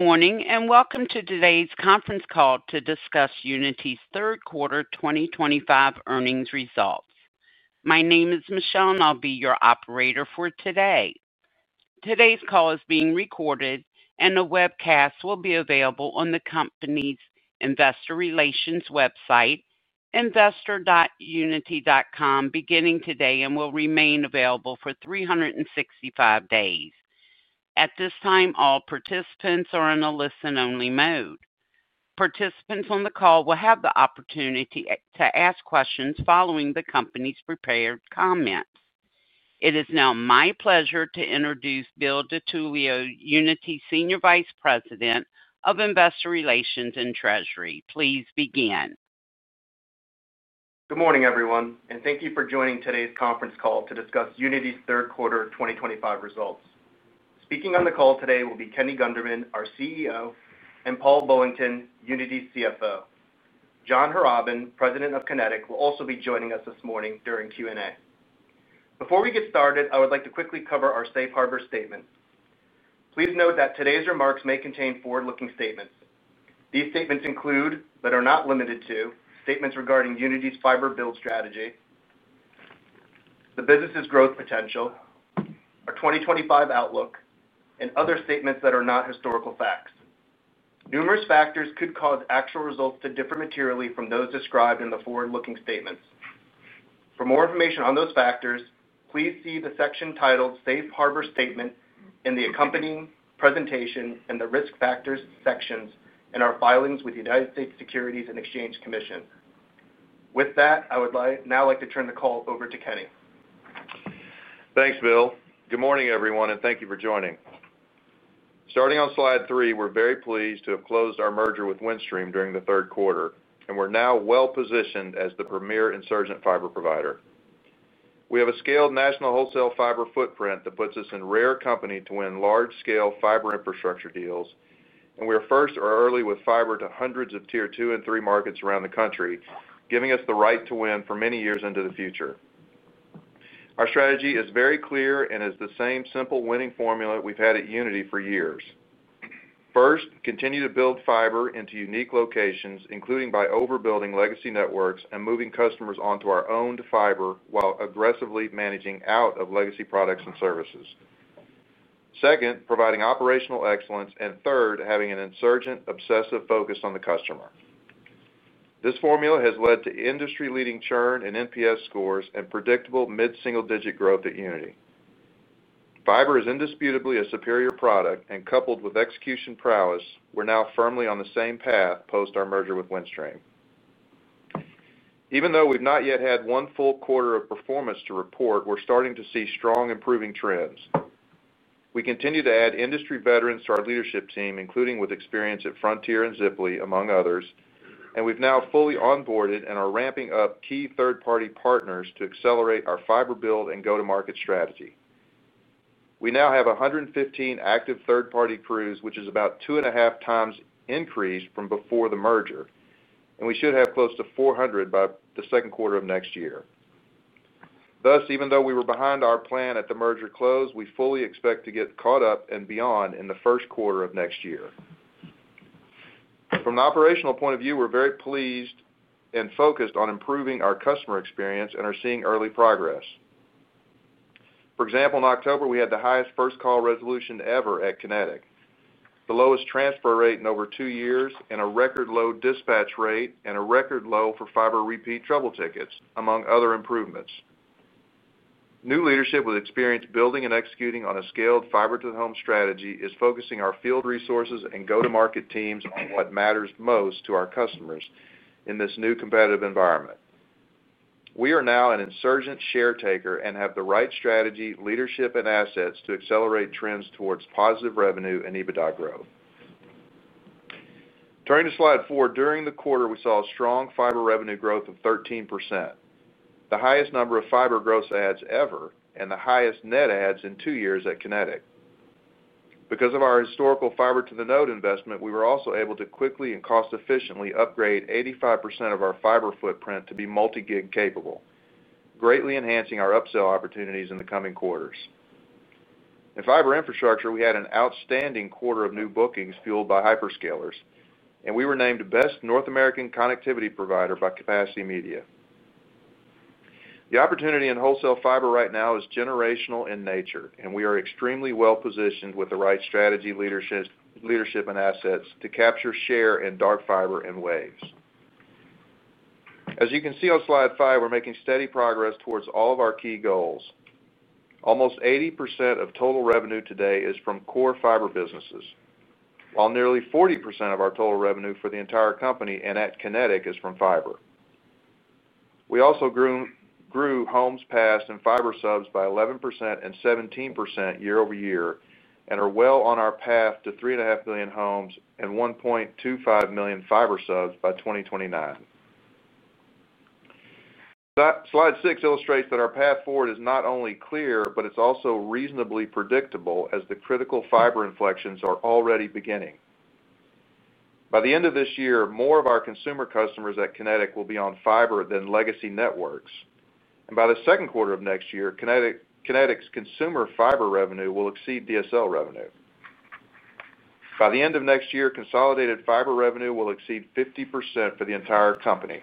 Morning, and welcome to today's conference call to discuss Uniti's third quarter 2025 earnings results. My name is Michelle, and I'll be your operator for today. Today's call is being recorded, and the webcast will be available on the company's investor relations website, investor.uniti.com, beginning today and will remain available for 365 days. At this time, all participants are in a listen-only mode. Participants on the call will have the opportunity to ask questions following the company's prepared comments. It is now my pleasure to introduce Bill DiTullio, Uniti Senior Vice President of Investor Relations and Treasury. Please begin. Good morning, everyone, and thank you for joining today's conference call to discuss Uniti's third quarter 2025 results. Speaking on the call today will be Kenny Gunderman, our CEO, and Paul Bullington, Uniti's CFO. John Harrobin, President of Kinetic, will also be joining us this morning during Q&A. Before we get started, I would like to quickly cover our Safe Harbor Statement. Please note that today's remarks may contain forward-looking statements. These statements include, but are not limited to, statements regarding Uniti's fiber build strategy, the business's growth potential, our 2025 outlook, and other statements that are not historical facts. Numerous factors could cause actual results to differ materially from those described in the forward-looking statements. For more information on those factors, please see the section titled Safe Harbor Statement in the accompanying presentation in the risk factors sections in our filings with the United States Securities and Exchange Commission. With that, I would now like to turn the call over to Kenny. Thanks, Bill. Good morning, everyone, and thank you for joining. Starting on slide three, we're very pleased to have closed our merger with Windstream during the third quarter, and we're now well-positioned as the premier insurgent fiber provider. We have a scaled national wholesale fiber footprint that puts us in rare company to win large-scale fiber infrastructure deals, and we are first or early with fiber to hundreds of tier 2 and 3 markets around the country, giving us the right to win for many years into the future. Our strategy is very clear and is the same simple winning formula we've had at Uniti for years. First, continue to build fiber into unique locations, including by overbuilding legacy networks and moving customers onto our owned fiber while aggressively managing out of legacy products and services. Second, providing operational excellence, and third, having an insurgent, obsessive focus on the customer. This formula has led to industry-leading churn and NPS scores and predictable mid-single-digit growth at Uniti. Fiber is indisputably a superior product, and coupled with execution prowess, we're now firmly on the same path post our merger with Windstream. Even though we've not yet had one full quarter of performance to report, we're starting to see strong improving trends. We continue to add industry veterans to our leadership team, including with experience at Frontier and Ziply, among others, and we've now fully onboarded and are ramping up key third-party partners to accelerate our fiber build and go-to-market strategy. We now have 115 active third-party crews, which is about 2.5x increased from before the merger, and we should have close to 400 by the second quarter of next year. Thus, even though we were behind our plan at the merger close, we fully expect to get caught up and beyond in the first quarter of next year. From an operational point of view, we're very pleased and focused on improving our customer experience and are seeing early progress. For example, in October, we had the highest first call resolution ever at Kinetic, the lowest transfer rate in over two years, and a record low dispatch rate, and a record low for fiber repeat trouble tickets, among other improvements. New leadership with experience building and executing on a scaled fiber-to-the-home strategy is focusing our field resources and go-to-market teams on what matters most to our customers in this new competitive environment. We are now an insurgent share taker and have the right strategy, leadership, and assets to accelerate trends towards positive revenue and EBITDA growth. Turning to slide four, during the quarter, we saw a strong fiber revenue growth of 13%. The highest number of fiber gross adds ever and the highest net adds in two years at Kinetic. Because of our historical fiber-to-the-node investment, we were also able to quickly and cost-efficiently upgrade 85% of our fiber footprint to be multi-gig capable, greatly enhancing our upsell opportunities in the coming quarters. In fiber infrastructure, we had an outstanding quarter of new bookings fueled by hyperscalers, and we were named best North American connectivity provider by Capacity Media. The opportunity in wholesale fiber right now is generational in nature, and we are extremely well-positioned with the right strategy, leadership, and assets to capture share in dark fiber and waves. As you can see on slide five, we're making steady progress towards all of our key goals. Almost 80% of total revenue today is from core fiber businesses, while nearly 40% of our total revenue for the entire company and at Kinetic is from fiber. We also grew homes passed and fiber subs by 11% and 17% year-over-year and are well on our path to 3.5 million homes and 1.25 million fiber subs by 2029. Slide six illustrates that our path forward is not only clear, but it's also reasonably predictable as the critical fiber inflections are already beginning. By the end of this year, more of our consumer customers at Kinetic will be on fiber than legacy networks, and by the second quarter of next year, Kinetic's consumer fiber revenue will exceed DSL revenue. By the end of next year, consolidated fiber revenue will exceed 50% for the entire company.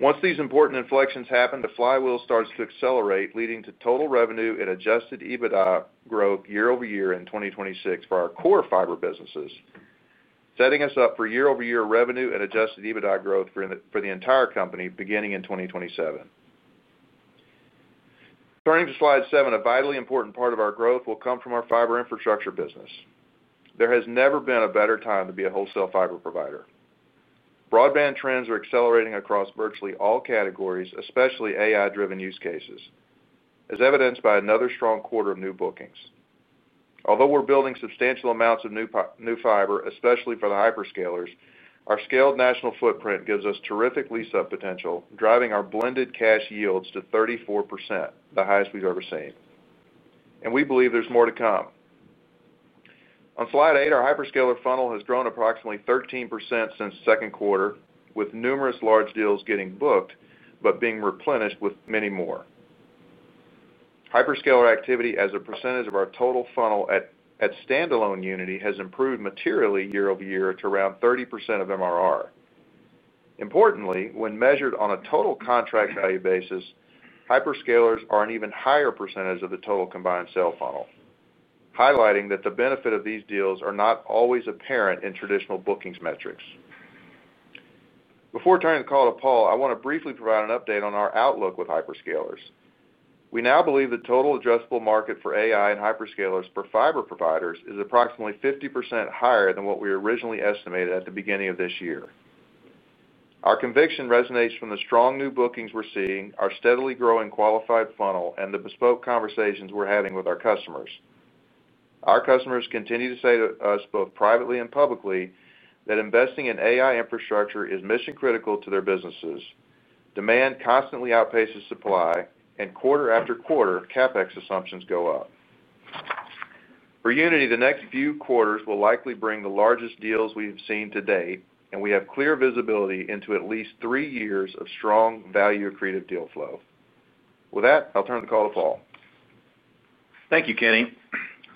Once these important inflections happen, the flywheel starts to accelerate, leading to total revenue and adjusted EBITDA growth year-over-year in 2026 for our core fiber businesses. Setting us up for year-over-year revenue and adjusted EBITDA growth for the entire company beginning in 2027. Turning to slide seven, a vitally important part of our growth will come from our fiber infrastructure business. There has never been a better time to be a wholesale fiber provider. Broadband trends are accelerating across virtually all categories, especially AI-driven use cases, as evidenced by another strong quarter of new bookings. Although we're building substantial amounts of new fiber, especially for the hyperscalers, our scaled national footprint gives us terrific lease-up potential, driving our blended cash yields to 34%, the highest we've ever seen. And we believe there's more to come. On slide eight, our hyperscaler funnel has grown approximately 13% since second quarter, with numerous large deals getting booked but being replenished with many more. Hyperscaler activity as a percentage of our total funnel at standalone Uniti has improved materially year-over-year to around 30% of MRR. Importantly, when measured on a total contract value basis, hyperscalers are an even higher percentage of the total combined sale funnel, highlighting that the benefit of these deals are not always apparent in traditional bookings metrics. Before turning the call to Paul, I want to briefly provide an update on our outlook with hyperscalers. We now believe the total addressable market for AI and hyperscalers for fiber providers is approximately 50% higher than what we originally estimated at the beginning of this year. Our conviction resonates from the strong new bookings we're seeing, our steadily growing qualified funnel, and the bespoke conversations we're having with our customers. Our customers continue to say to us both privately and publicly that investing in AI infrastructure is mission-critical to their businesses, demand constantly outpaces supply, and quarter after quarter, CapEx assumptions go up. For Uniti, the next few quarters will likely bring the largest deals we've seen to date, and we have clear visibility into at least three years of strong value-accretive deal flow. With that, I'll turn the call to Paul. Thank you, Kenny.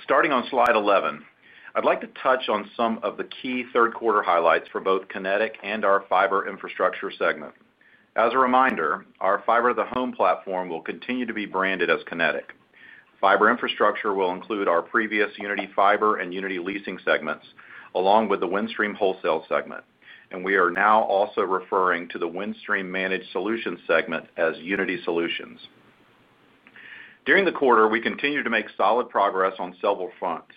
Starting on slide 11, I'd like to touch on some of the key third-quarter highlights for both Kinetic and our fiber infrastructure segment. As a reminder, our fiber-to-the-home platform will continue to be branded as Kinetic. Fiber infrastructure will include our previous Uniti Fiber and Uniti Leasing segments, along with the Windstream Wholesale segment, and we are now also referring to the Windstream managed solutions segment as Uniti Solutions. During the quarter, we continue to make solid progress on several fronts.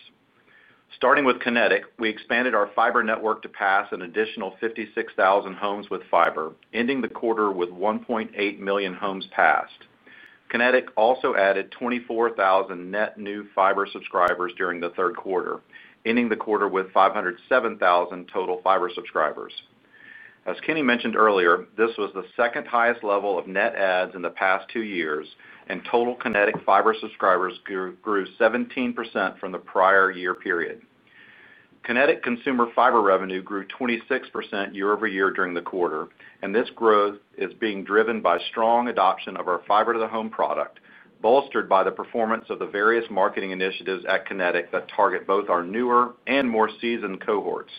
Starting with Kinetic, we expanded our fiber network to pass an additional 56,000 homes with fiber, ending the quarter with 1.8 million homes passed. Kinetic also added 24,000 net new fiber subscribers during the third quarter, ending the quarter with 507,000 total fiber subscribers. As Kenny mentioned earlier, this was the second highest level of net ads in the past two years, and total Kinetic Fiber subscribers grew 17% from the prior year period. Kinetic consumer fiber revenue grew 26% year-over-year during the quarter, and this growth is being driven by strong adoption of our fiber-to-the-home product, bolstered by the performance of the various marketing initiatives at Kinetic that target both our newer and more seasoned cohorts.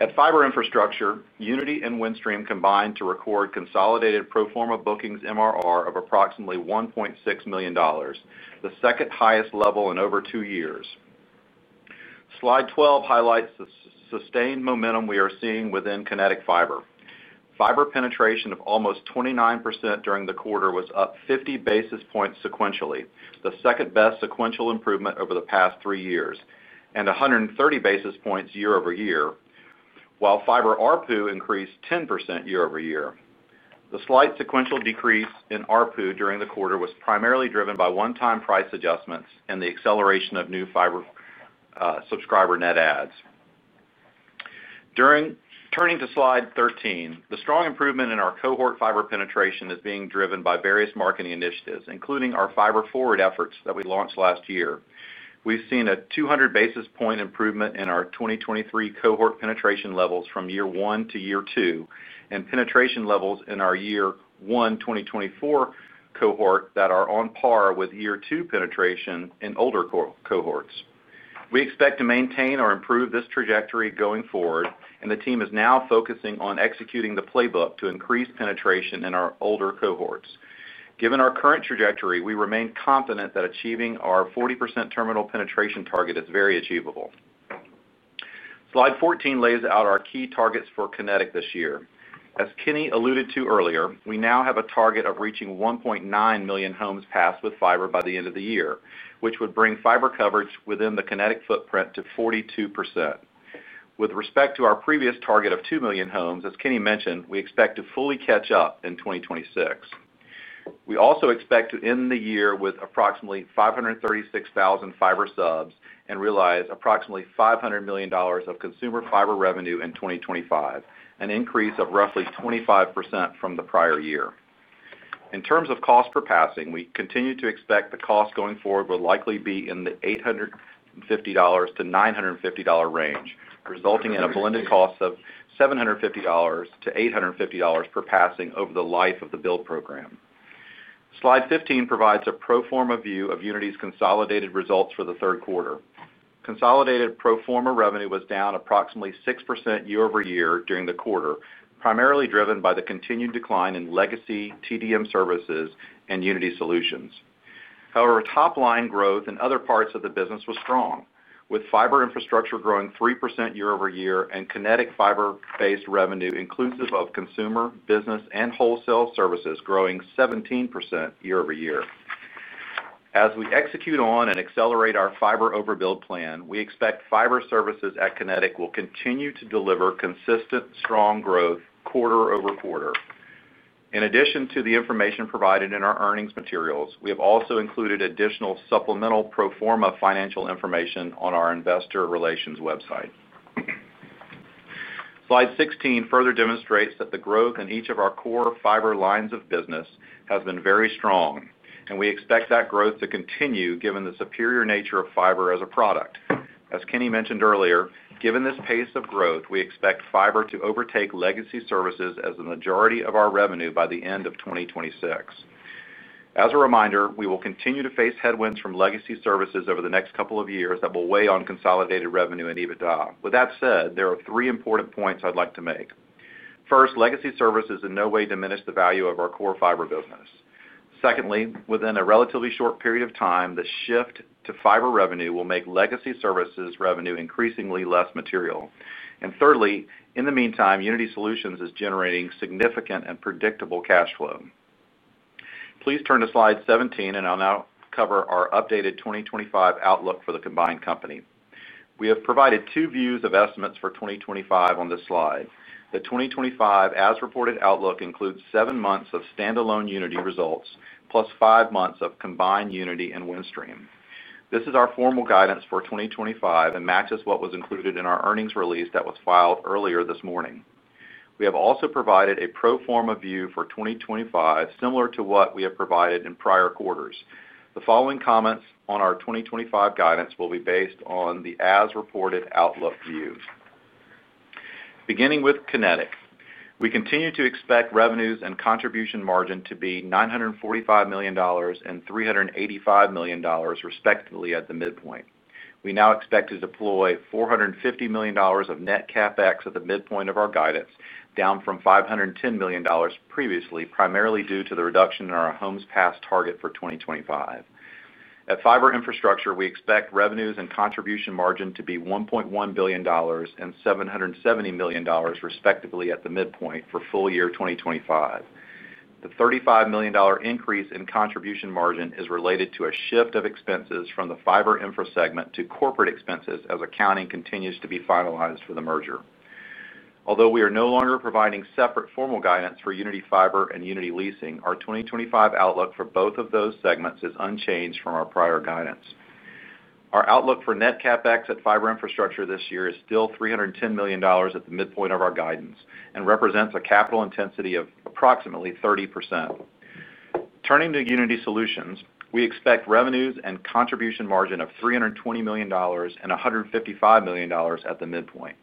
At fiber infrastructure, Uniti and Windstream combined to record consolidated pro forma bookings MRR of approximately $1.6 million, the second highest level in over two years. Slide 12 highlights the sustained momentum we are seeing within Kinetic Fiber. Fiber penetration of almost 29% during the quarter was up 50 basis points sequentially, the second best sequential improvement over the past three years, and 130 basis points year-over-year, while fiber RPU increased 10% year-over-year. The slight sequential decrease in RPU during the quarter was primarily driven by one-time price adjustments and the acceleration of new fiber subscriber net ads. Turning to slide 13, the strong improvement in our cohort fiber penetration is being driven by various marketing initiatives, including our fiber forward efforts that we launched last year. We've seen a 200 basis point improvement in our 2023 cohort penetration levels from year one to year two, and penetration levels in our year one 2024 cohort that are on par with year two penetration in older cohorts. We expect to maintain or improve this trajectory going forward, and the team is now focusing on executing the playbook to increase penetration in our older cohorts. Given our current trajectory, we remain confident that achieving our 40% terminal penetration target is very achievable. Slide 14 lays out our key targets for Kinetic this year. As Kenny alluded to earlier, we now have a target of reaching 1.9 million homes passed with fiber by the end of the year, which would bring fiber coverage within the Kinetic footprint to 42%. With respect to our previous target of 2 million homes, as Kenny mentioned, we expect to fully catch up in 2026. We also expect to end the year with approximately 536,000 fiber subs and realize approximately $500 million of consumer fiber revenue in 2025, an increase of roughly 25% from the prior year. In terms of cost per passing, we continue to expect the cost going forward will likely be in the $850-$950 range, resulting in a blended cost of $750-$850 per passing over the life of the build program. Slide 15 provides a pro forma view of Uniti's consolidated results for the third quarter. Consolidated pro forma revenue was down approximately 6% year-over-year during the quarter, primarily driven by the continued decline in legacy TDM services and Uniti Solutions. However, top-line growth in other parts of the business was strong, with fiber infrastructure growing 3% year-over-year and Kinetic Fiber-based revenue inclusive of consumer, business, and wholesale services growing 17% year-over-year. As we execute on and accelerate our fiber overbuild plan, we expect fiber services at Kinetic will continue to deliver consistent, strong growth quarter-over-quarter. In addition to the information provided in our earnings materials, we have also included additional supplemental pro forma financial information on our investor relations website. Slide 16 further demonstrates that the growth in each of our core fiber lines of business has been very strong, and we expect that growth to continue given the superior nature of fiber as a product. As Kenny mentioned earlier, given this pace of growth, we expect fiber to overtake legacy services as the majority of our revenue by the end of 2026. As a reminder, we will continue to face headwinds from legacy services over the next couple of years that will weigh on consolidated revenue and EBITDA. With that said, there are three important points I'd like to make. First, legacy services in no way diminish the value of our core fiber business. Secondly, within a relatively short period of time, the shift to fiber revenue will make legacy services revenue increasingly less material, and thirdly, in the meantime, Uniti Solutions is generating significant and predictable cash flow. Please turn to slide 17, and I'll now cover our updated 2025 outlook for the combined company. We have provided two views of estimates for 2025 on this slide. The 2025 as-reported outlook includes seven months of standalone Uniti results plus five months of combined Uniti and Windstream. This is our formal guidance for 2025 and matches what was included in our earnings release that was filed earlier this morning. We have also provided a pro forma view for 2025 similar to what we have provided in prior quarters. The following comments on our 2025 guidance will be based on the as-reported outlook views. Beginning with Kinetic, we continue to expect revenues and contribution margin to be $945 million and $385 million, respectively, at the midpoint. We now expect to deploy $450 million of net CapEx at the midpoint of our guidance, down from $510 million previously, primarily due to the reduction in our homes passed target for 2025. At fiber infrastructure, we expect revenues and contribution margin to be $1.1 billion and $770 million, respectively, at the midpoint for full year 2025. The $35 million increase in contribution margin is related to a shift of expenses from the fiber infra segment to corporate expenses as accounting continues to be finalized for the merger. Although we are no longer providing separate formal guidance for Uniti Fiber and Uniti Leasing, our 2025 outlook for both of those segments is unchanged from our prior guidance. Our outlook for net CapEx at fiber infrastructure this year is still $310 million at the midpoint of our guidance and represents a capital intensity of approximately 30%. Turning to Uniti Solutions, we expect revenues and contribution margin of $320 million and $155 million at the midpoint.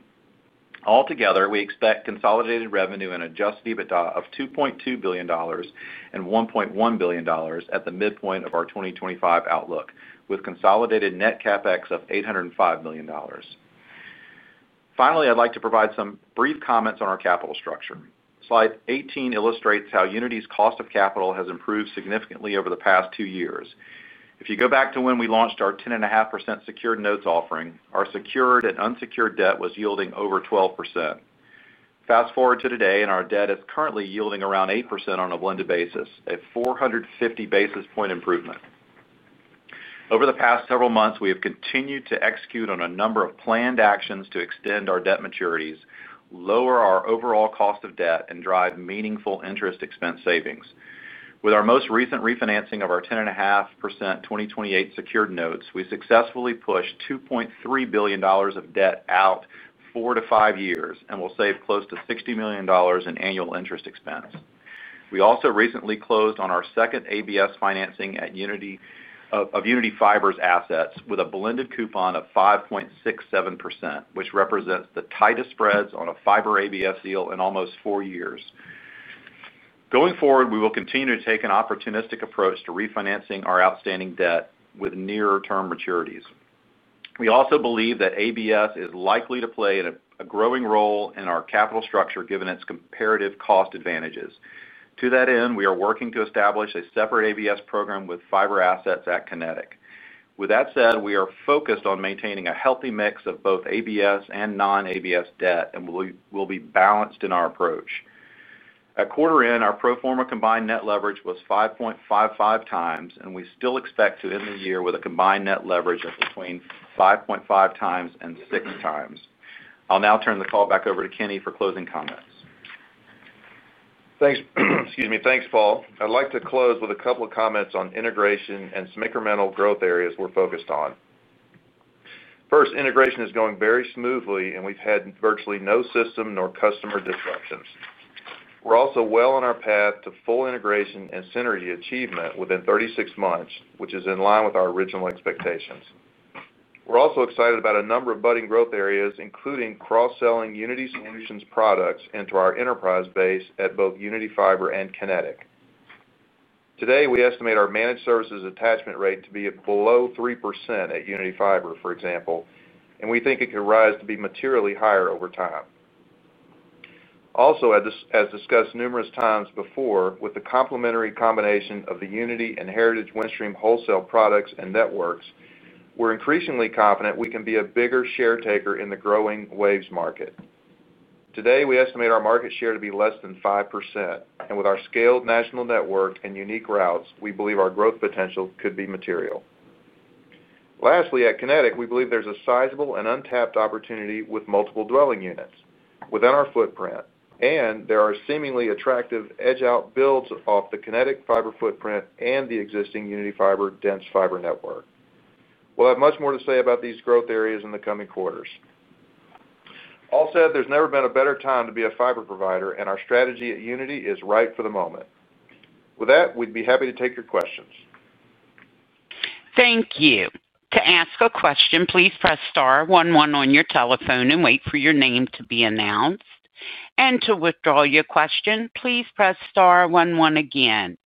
Altogether, we expect consolidated revenue and adjusted EBITDA of $2.2 billion and $1.1 billion at the midpoint of our 2025 outlook, with consolidated net CapEx of $805 million. Finally, I'd like to provide some brief comments on our capital structure. Slide 18 illustrates how Uniti's cost of capital has improved significantly over the past two years. If you go back to when we launched our 10.5% secured notes offering, our secured and unsecured debt was yielding over 12%. Fast forward to today, and our debt is currently yielding around 8% on a blended basis, a 450 basis point improvement. Over the past several months, we have continued to execute on a number of planned actions to extend our debt maturities, lower our overall cost of debt, and drive meaningful interest expense savings. With our most recent refinancing of our 10.5% 2028 secured notes, we successfully pushed $2.3 billion of debt out four to five years and will save close to $60 million in annual interest expense. We also recently closed on our second ABS financing of Uniti Fiber's assets with a blended coupon of 5.67%, which represents the tightest spreads on a Fiber ABS deal in almost four years. Going forward, we will continue to take an opportunistic approach to refinancing our outstanding debt with near-term maturities. We also believe that ABS is likely to play a growing role in our capital structure given its comparative cost advantages. To that end, we are working to establish a separate ABS program with fiber assets at Kinetic. With that said, we are focused on maintaining a healthy mix of both ABS and non-ABS debt, and we will be balanced in our approach. At quarter end, our pro forma combined net leverage was 5.55x, and we still expect to end the year with a combined net leverage of between 5.5x and 6x. I'll now turn the call back over to Kenny for closing comments. Thanks. Excuse me. Thanks, Paul. I'd like to close with a couple of comments on integration and some incremental growth areas we're focused on. First, integration is going very smoothly, and we've had virtually no system nor customer disruptions. We're also well on our path to full integration and synergy achievement within 36 months, which is in line with our original expectations. We're also excited about a number of budding growth areas, including cross-selling Uniti Solutions products into our enterprise base at both Uniti Fiber and Kinetic. Today, we estimate our managed services attachment rate to be below 3% at Uniti Fiber, for example, and we think it could rise to be materially higher over time. Also, as discussed numerous times before, with the complementary combination of the Uniti and Heritage Windstream Wholesale products and networks, we're increasingly confident we can be a bigger share taker in the growing waves market. Today, we estimate our market share to be less than 5%, and with our scaled national network and unique routes, we believe our growth potential could be material. Lastly, at Kinetic, we believe there's a sizable and untapped opportunity with multiple dwelling units within our footprint, and there are seemingly attractive edge-out builds off the Kinetic Fiber footprint and the existing Uniti Fiber dense fiber network. We'll have much more to say about these growth areas in the coming quarters. All said, there's never been a better time to be a fiber provider, and our strategy at Uniti is right for the moment. With that, we'd be happy to take your questions. Thank you. To ask a question, please press star one one on your telephone and wait for your name to be announced. And to withdraw your question, please press star one one again.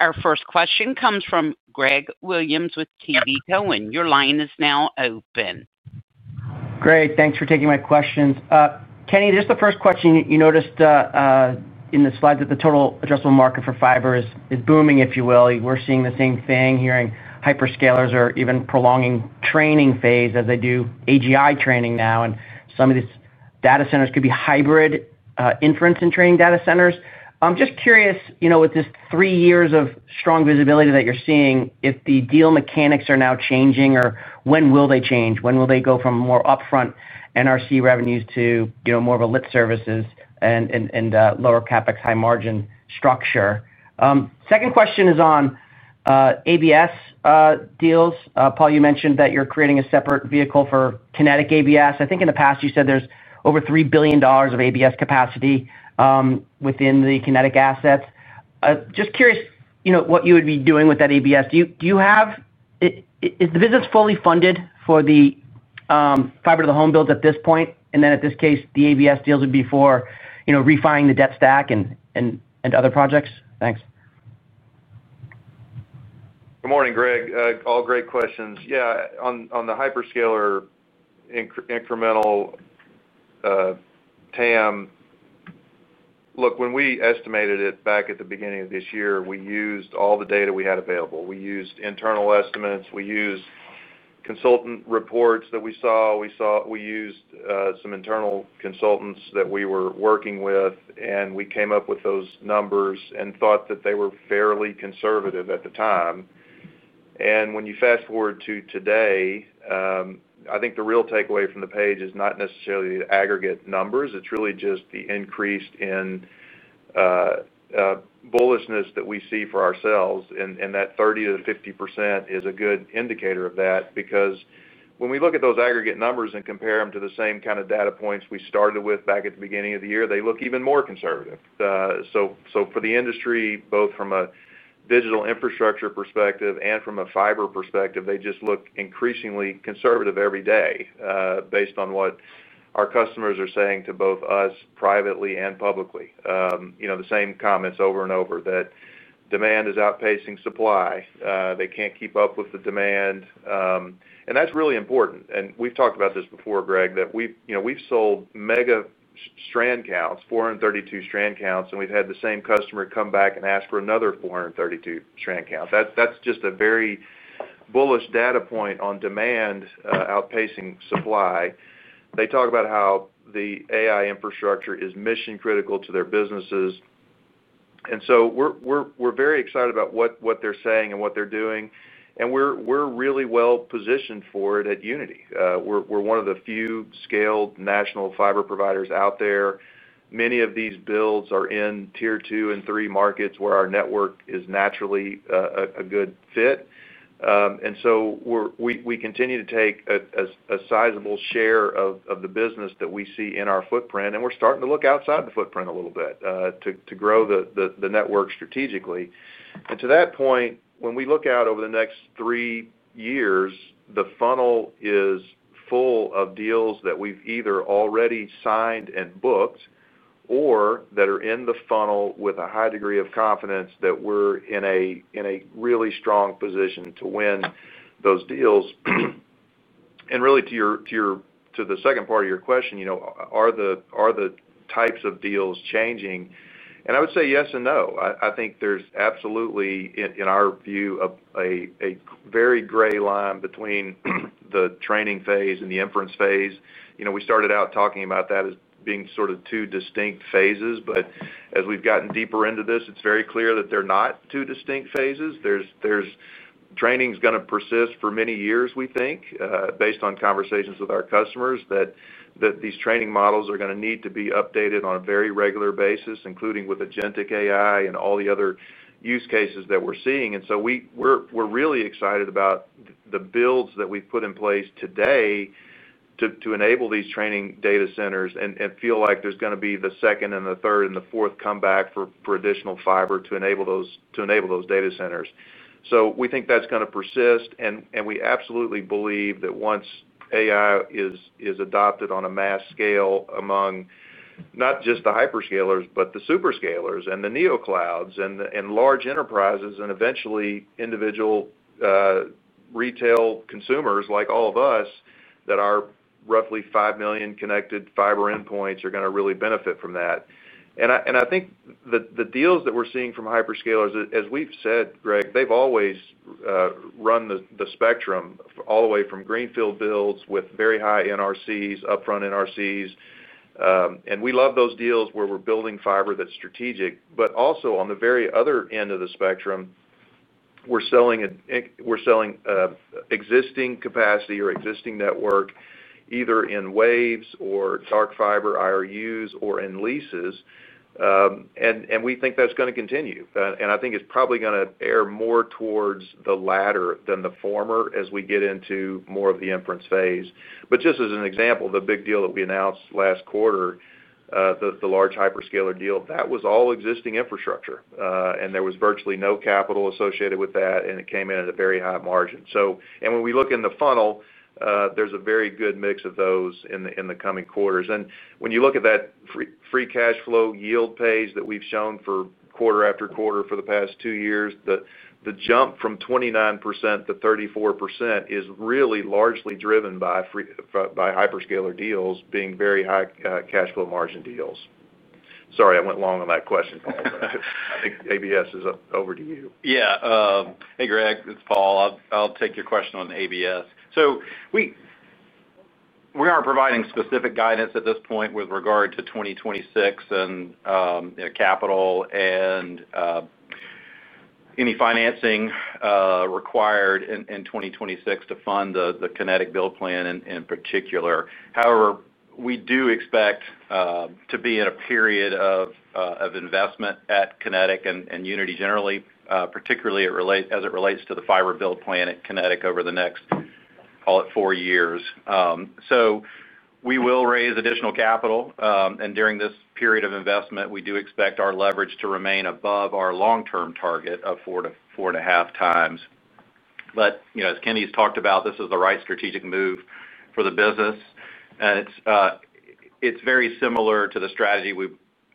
Our first question comes from Greg Williams with TD Cowen. Your line is now open. Great, thanks for taking my questions. Kenny, just the first question, you noticed. In the slides that the total addressable market for fiber is booming, if you will. We're seeing the same thing, hearing hyperscalers or even prolonging training phase as they do AGI training now, and some of these data centers could be hybrid inference and training data centers. I'm just curious, with just three years of strong visibility that you're seeing, if the deal mechanics are now changing, or when will they change? When will they go from more upfront NRC revenues to more of a lit services and lower CapEx, high margin structure? Second question is on ABS deals. Paul, you mentioned that you're creating a separate vehicle for Kinetic ABS. I think in the past you said there's over $3 billion of ABS capacity within the Kinetic assets. Just curious what you would be doing with that ABS. Is the business fully funded for the fiber to the home builds at this point? And then at this case, the ABS deals would be for refining the debt stack and other projects? Thanks. Good morning, Greg. All great questions. Yeah, on the hyperscaler. Incremental. TAM. Look, when we estimated it back at the beginning of this year, we used all the data we had available. We used internal estimates. We used consultant reports that we saw. We used some internal consultants that we were working with, and we came up with those numbers and thought that they were fairly conservative at the time. And when you fast forward to today. I think the real takeaway from the page is not necessarily the aggregate numbers. It's really just the increase in bullishness that we see for ourselves, and that 30%-50% is a good indicator of that because when we look at those aggregate numbers and compare them to the same kind of data points we started with back at the beginning of the year, they look even more conservative. So for the industry, both from a digital infrastructure perspective and from a fiber perspective, they just look increasingly conservative every day based on what our customers are saying to both us privately and publicly. The same comments over and over that demand is outpacing supply. They can't keep up with the demand. And that's really important. And we've talked about this before, Greg, that we've sold mega strand counts, 432 strand counts, and we've had the same customer come back and ask for another 432 strand count. That's just a very bullish data point on demand outpacing supply. They talk about how the AI infrastructure is mission-critical to their businesses. And so we're very excited about what they're saying and what they're doing. And we're really well positioned for it at Uniti. We're one of the few scaled national fiber providers out there. Many of these builds are in tier 2 and 3 markets where our network is naturally a good fit. And so we continue to take a sizable share of the business that we see in our footprint, and we're starting to look outside the footprint a little bit to grow the network strategically. And to that point, when we look out over the next three years, the funnel is full of deals that we've either already signed and booked or that are in the funnel with a high degree of confidence that we're in a really strong position to win those deals. And really, to the second part of your question, are the types of deals changing? And I would say yes and no. I think there's absolutely, in our view, a very gray line between the training phase and the inference phase. We started out talking about that as being sort of two distinct phases, but as we've gotten deeper into this, it's very clear that they're not two distinct phases. Training is going to persist for many years, we think, based on conversations with our customers, that these training models are going to need to be updated on a very regular basis, including with agentic AI and all the other use cases that we're seeing. And so we're really excited about the builds that we've put in place today to enable these training data centers and feel like there's going to be the second and the third and the fourth comeback for additional fiber to enable those data centers. So we think that's going to persist, and we absolutely believe that once AI is adopted on a mass scale among not just the hyperscalers, but the superscalers and the neoclouds and large enterprises and eventually individual retail consumers like all of us that are roughly 5 million connected fiber endpoints are going to really benefit from that. And I think the deals that we're seeing from hyperscalers, as we've said, Greg, they've always run the spectrum all the way from greenfield builds with very high NRCs, upfront NRCs. And we love those deals where we're building fiber that's strategic, but also on the very other end of the spectrum we're selling existing capacity or existing network, either in waves or dark fiber IRUs or in leases. And we think that's going to continue. And I think it's probably going to err more towards the latter than the former as we get into more of the inference phase. But just as an example, the big deal that we announced last quarter, the large hyperscaler deal, that was all existing infrastructure, and there was virtually no capital associated with that, and it came in at a very high margin. And when we look in the funnel, there's a very good mix of those in the coming quarters. And when you look at that free cash flow yield pace that we've shown for quarter after quarter for the past two years, the jump from 29% to 34% is really largely driven by hyperscaler deals being very high cash flow margin deals. Sorry, I went long on that question, Paul. I think ABS is over to you. Yeah. Hey, Greg, it's Paul. I'll take your question on the ABS. So we aren't providing specific guidance at this point with regard to 2026 and capital and any financing required in 2026 to fund the Kinetic build plan in particular. However, we do expect to be in a period of investment at Kinetic and Uniti generally, particularly as it relates to the fiber build plan at Kinetic over the next, call it, four years. So we will raise additional capital, and during this period of investment, we do expect our leverage to remain above our long-term target of 4.5x. But as Kenny's talked about, this is the right strategic move for the business. It's very similar to the strategy we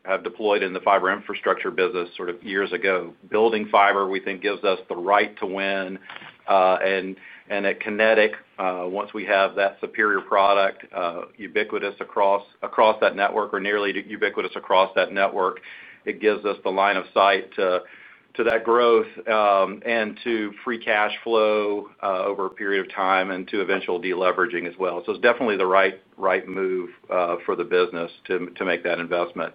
have deployed in the fiber infrastructure business sort of years ago. Building fiber, we think, gives us the right to win. And at Kinetic, once we have that superior product ubiquitous across that network or nearly ubiquitous across that network, it gives us the line of sight to that growth. And to free cash flow over a period of time and to eventual deleveraging as well. So it's definitely the right move for the business to make that investment.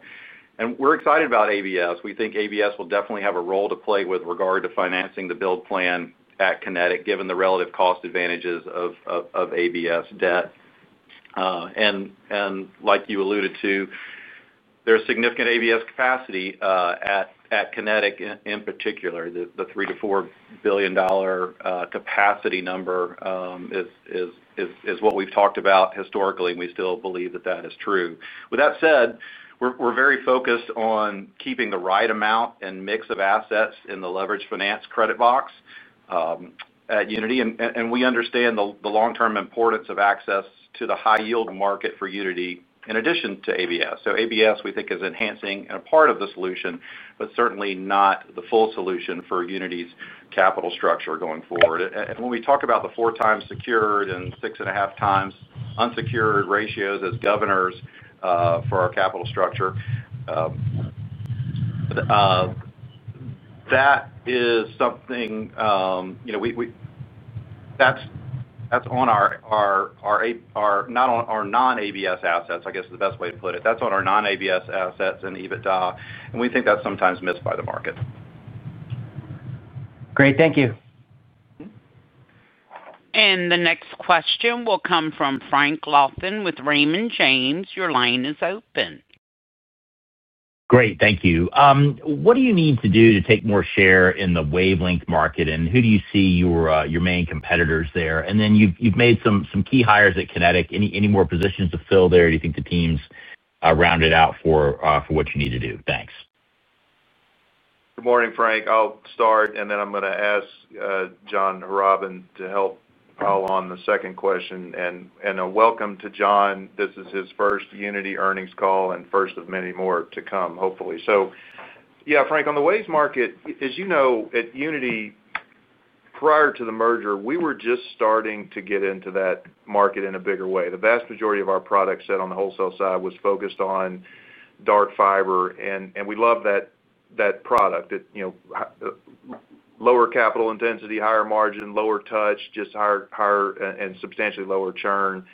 And we're excited about ABS. We think ABS will definitely have a role to play with regard to financing the build plan at Kinetic, given the relative cost advantages of ABS debt. And like you alluded to, there's significant ABS capacity at Kinetic in particular. The $3 billion-$4 billion capacity number is what we've talked about historically, and we still believe that that is true. With that said, we're very focused on keeping the right amount and mix of assets in the leveraged finance credit box at Uniti, and we understand the long-term importance of access to the high-yield market for Uniti in addition to ABS. So ABS, we think, is enhancing a part of the solution, but certainly not the full solution for Uniti's capital structure going forward. And when we talk about the 4x secured and 6.5x unsecured ratios as governors for our capital structure, that is something that's on our non-ABS assets, I guess is the best way to put it. That's on our non-ABS assets and EBITDA, and we think that's sometimes missed by the market. Great. Thank you. The next question will come from Frank Louthan with Raymond James. Your line is open. Great. Thank you. What do you need to do to take more share in the wavelength market, and who do you see your main competitors there? And then you've made some key hires at Kinetic. Any more positions to fill there? Do you think the team's rounded out for what you need to do? Thanks. Good morning, Frank. I'll start, and then I'm going to ask John Harrobin to help Paul on the second question and welcome to John. This is his first Uniti earnings call and first of many more to come, hopefully, so yeah, Frank, on the waves market, as you know, at Uniti. Prior to the merger, we were just starting to get into that market in a bigger way. The vast majority of our products set on the wholesale side was focused on dark fiber, and we love that product. Lower capital intensity, higher margin, lower touch, just higher and substantially lower churn.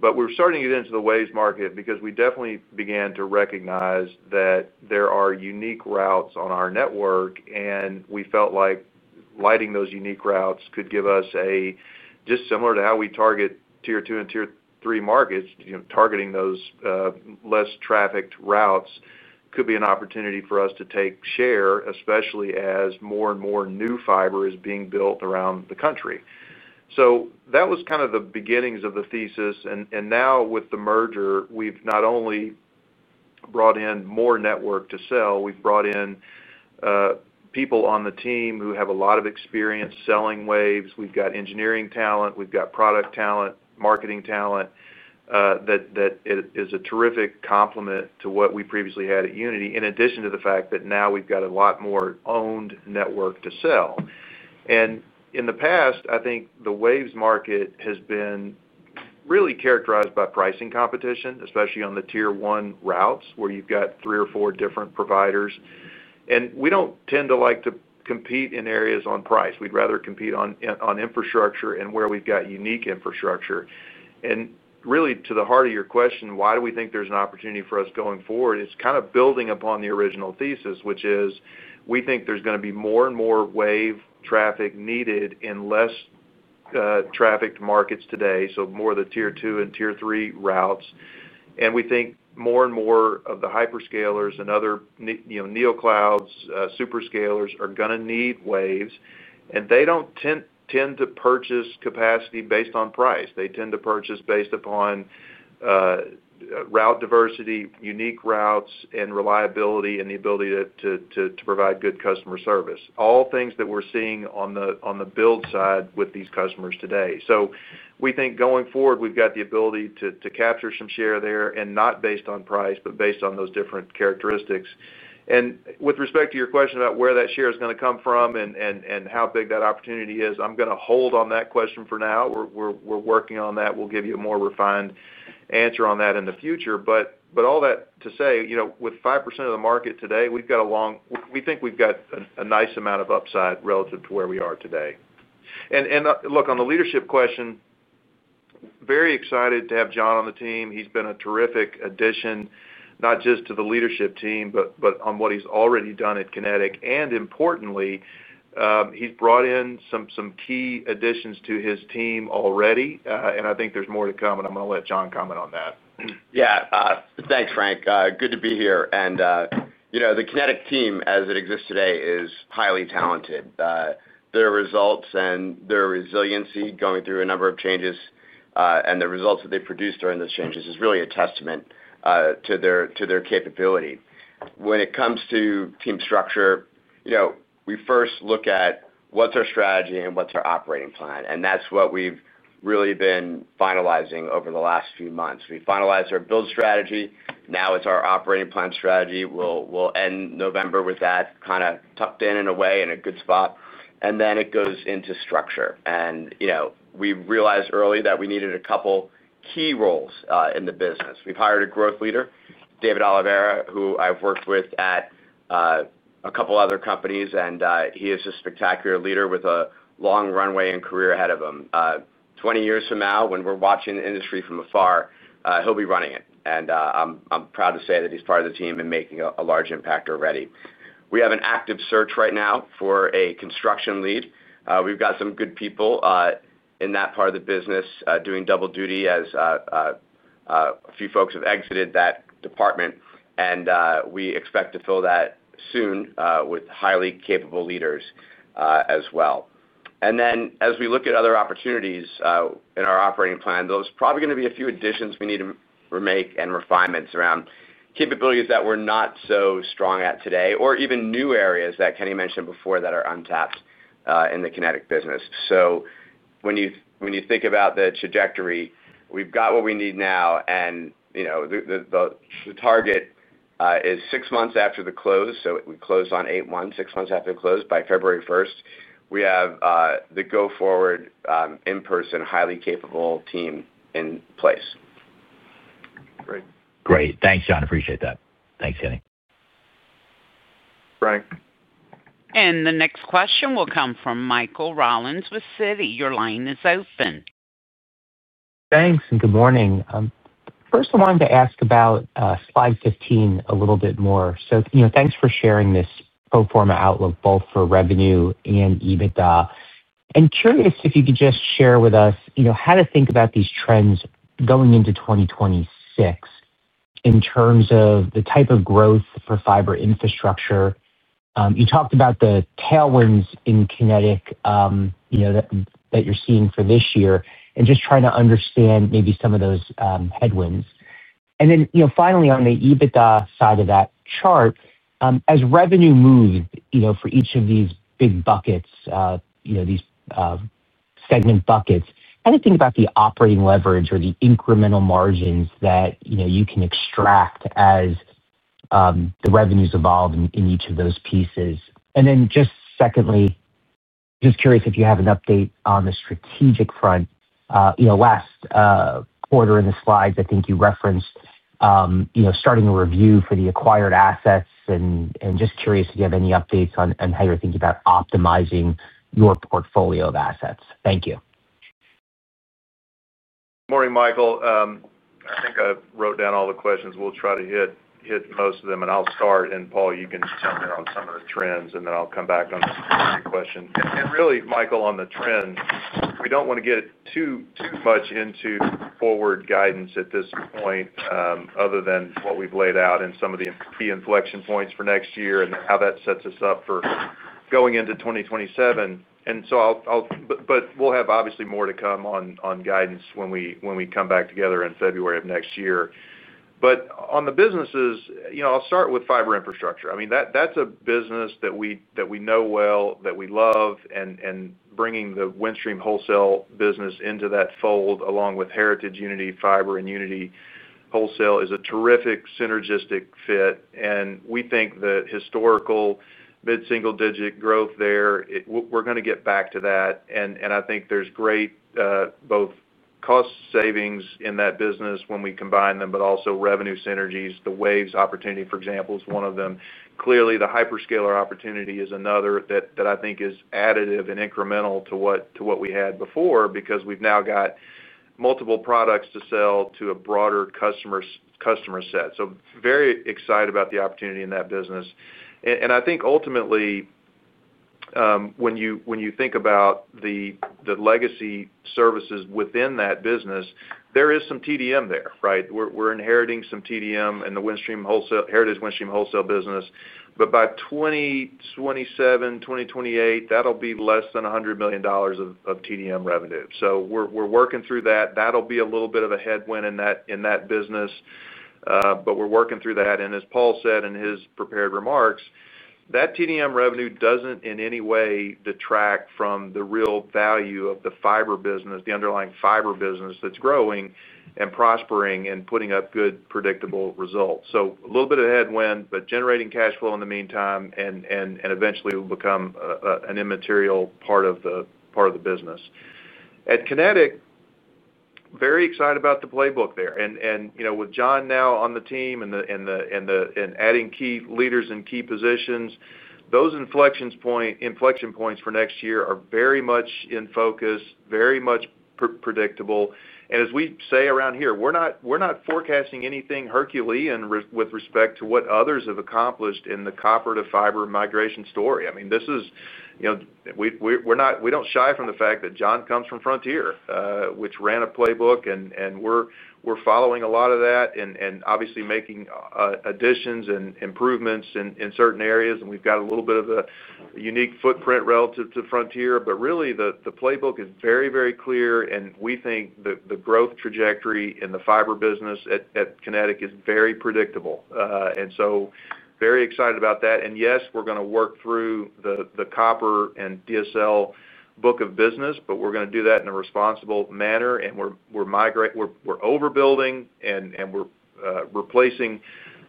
But we're starting to get into the waves market because we definitely began to recognize that there are unique routes on our network, and we felt like lighting those unique routes could give us a just similar to how we target tier 2 and tier 3 markets, targeting those less trafficked routes could be an opportunity for us to take share, especially as more and more new fiber is being built around the country. So that was kind of the beginnings of the thesis, and now with the merger, we've not only brought in more network to sell, we've brought in people on the team who have a lot of experience selling waves. We've got engineering talent. We've got product talent, marketing talent. That is a terrific complement to what we previously had at Uniti, in addition to the fact that now we've got a lot more owned network to sell, and in the past, I think the waves market has been really characterized by pricing competition, especially on the tier 1 routes where you've got three or four different providers, and we don't tend to like to compete in areas on price. We'd rather compete on infrastructure and where we've got unique infrastructure, and really, to the heart of your question, why do we think there's an opportunity for us going forward? It's kind of building upon the original thesis, which is we think there's going to be more and more wave traffic needed in less trafficked markets today, so more of the tier 2 and tier 3 routes, and we think more and more of the hyperscalers and other neoclouds, superscalers are going to need waves, and they don't tend to purchase capacity based on price. They tend to purchase based upon route diversity, unique routes, and reliability, and the ability to provide good customer service. All things that we're seeing on the build side with these customers today, so we think going forward, we've got the ability to capture some share there, and not based on price, but based on those different characteristics, and with respect to your question about where that share is going to come from and how big that opportunity is, I'm going to hold on that question for now. We're working on that. We'll give you a more refined answer on that in the future. But all that to say, with 5% of the market today, we've got a long we think we've got a nice amount of upside relative to where we are today, and look, on the leadership question, very excited to have John on the team. He's been a terrific addition, not just to the leadership team, but on what he's already done at Kinetic, and importantly, he's brought in some key additions to his team already, and I think there's more to come, and I'm going to let John comment on that. Yeah. Thanks, Frank. Good to be here. The Kinetic team, as it exists today, is highly talented. Their results and their resiliency going through a number of changes and the results that they've produced during those changes is really a testament to their capability. When it comes to team structure, we first look at what's our strategy and what's our operating plan. That's what we've really been finalizing over the last few months. We finalized our build strategy. Now it's our operating plan strategy. We'll end November with that kind of tucked in in a way in a good spot. Then it goes into structure. We realized early that we needed a couple key roles in the business. We've hired a growth leader, David Oliveira, who I've worked with at a couple other companies, and he is a spectacular leader with a long runway and career ahead of him. Twenty years from now, when we're watching the industry from afar, he'll be running it. I'm proud to say that he's part of the team and making a large impact already. We have an active search right now for a construction lead. We've got some good people in that part of the business doing double duty as a few folks have exited that department. We expect to fill that soon with highly capable leaders as well. Then as we look at other opportunities in our operating plan, there's probably going to be a few additions we need to make and refinements around capabilities that we're not so strong at today, or even new areas that Kenny mentioned before that are untapped in the Kinetic business. So when you think about the trajectory, we've got what we need now. The target is six months after the close. So we close on eight months, six months after the close by February 1st. We have the go-forward in-person, highly capable team in place. Great. Great. Thanks, John. Appreciate that. Thanks, Kenny. Frank. And the next question will come from Michael Rollins with Citi. Your line is open. Thanks. And good morning. First, I wanted to ask about slide 15 a little bit more. So thanks for sharing this pro forma outlook, both for revenue and EBITDA. And curious if you could just share with us how to think about these trends going into 2026. In terms of the type of growth for fiber infrastructure. You talked about the tailwinds in Kinetic. That you're seeing for this year, and just trying to understand maybe some of those headwinds. And then finally, on the EBITDA side of that chart, as revenue moves for each of these big buckets, segment buckets, how do you think about the operating leverage or the incremental margins that you can extract as the revenues evolve in each of those pieces? And then just secondly. Just curious if you have an update on the strategic front. Last quarter in the slides, I think you referenced starting a review for the acquired assets. And just curious if you have any updates on how you're thinking about optimizing your portfolio of assets. Thank you. Morning, Michael. I think I wrote down all the questions. We'll try to hit most of them, and I'll start. And Paul, you can tell me on some of the trends, and then I'll come back on the question. And really, Michael, on the trend, we don't want to get too much into forward guidance at this point. Other than what we've laid out and some of the inflection points for next year and how that sets us up for going into 2027. And so. But we'll have obviously more to come on guidance when we come back together in February of next year. But on the businesses, I'll start with fiber infrastructure. I mean, that's a business that we know well, that we love, and bringing the Windstream Wholesale business into that fold along with heritage Uniti Fiber and Uniti Wholesale is a terrific synergistic fit. And we think the historical mid-single-digit growth there, we're going to get back to that. And I think there's great both cost savings in that business when we combine them, but also revenue synergies. The waves opportunity, for example, is one of them. Clearly, the hyperscaler opportunity is another that I think is additive and incremental to what we had before because we've now got multiple products to sell to a broader customer set. So very excited about the opportunity in that business. And I think ultimately. When you think about the. Legacy services within that business, there is some TDM there, right? We're inheriting some TDM in the Windstream Wholesale business. But by 2027, 2028, that'll be less than $100 million of TDM revenue. So we're working through that. That'll be a little bit of a headwind in that business. But we're working through that. And as Paul said in his prepared remarks, that TDM revenue doesn't in any way detract from the real value of the fiber business, the underlying fiber business that's growing and prospering and putting up good predictable results. So a little bit of headwind, but generating cash flow in the meantime and eventually will become an immaterial part of the business. At Kinetic. Very excited about the playbook there. And with John now on the team and. Adding key leaders in key positions, those inflection. Points for next year are very much in focus, very much predictable. And as we say around here, we're not forecasting anything Herculean with respect to what others have accomplished in the copper to fiber migration story. I mean, this is. We don't shy from the fact that John comes from Frontier, which ran a playbook, and we're following a lot of that and obviously making additions and improvements in certain areas. And we've got a little bit of a unique footprint relative to Frontier. But really, the playbook is very, very clear, and we think the growth trajectory in the fiber business at Kinetic is very predictable. And so very excited about that. And yes, we're going to work through the copper and DSL book of business, but we're going to do that in a responsible manner. And we're overbuilding, and we're replacing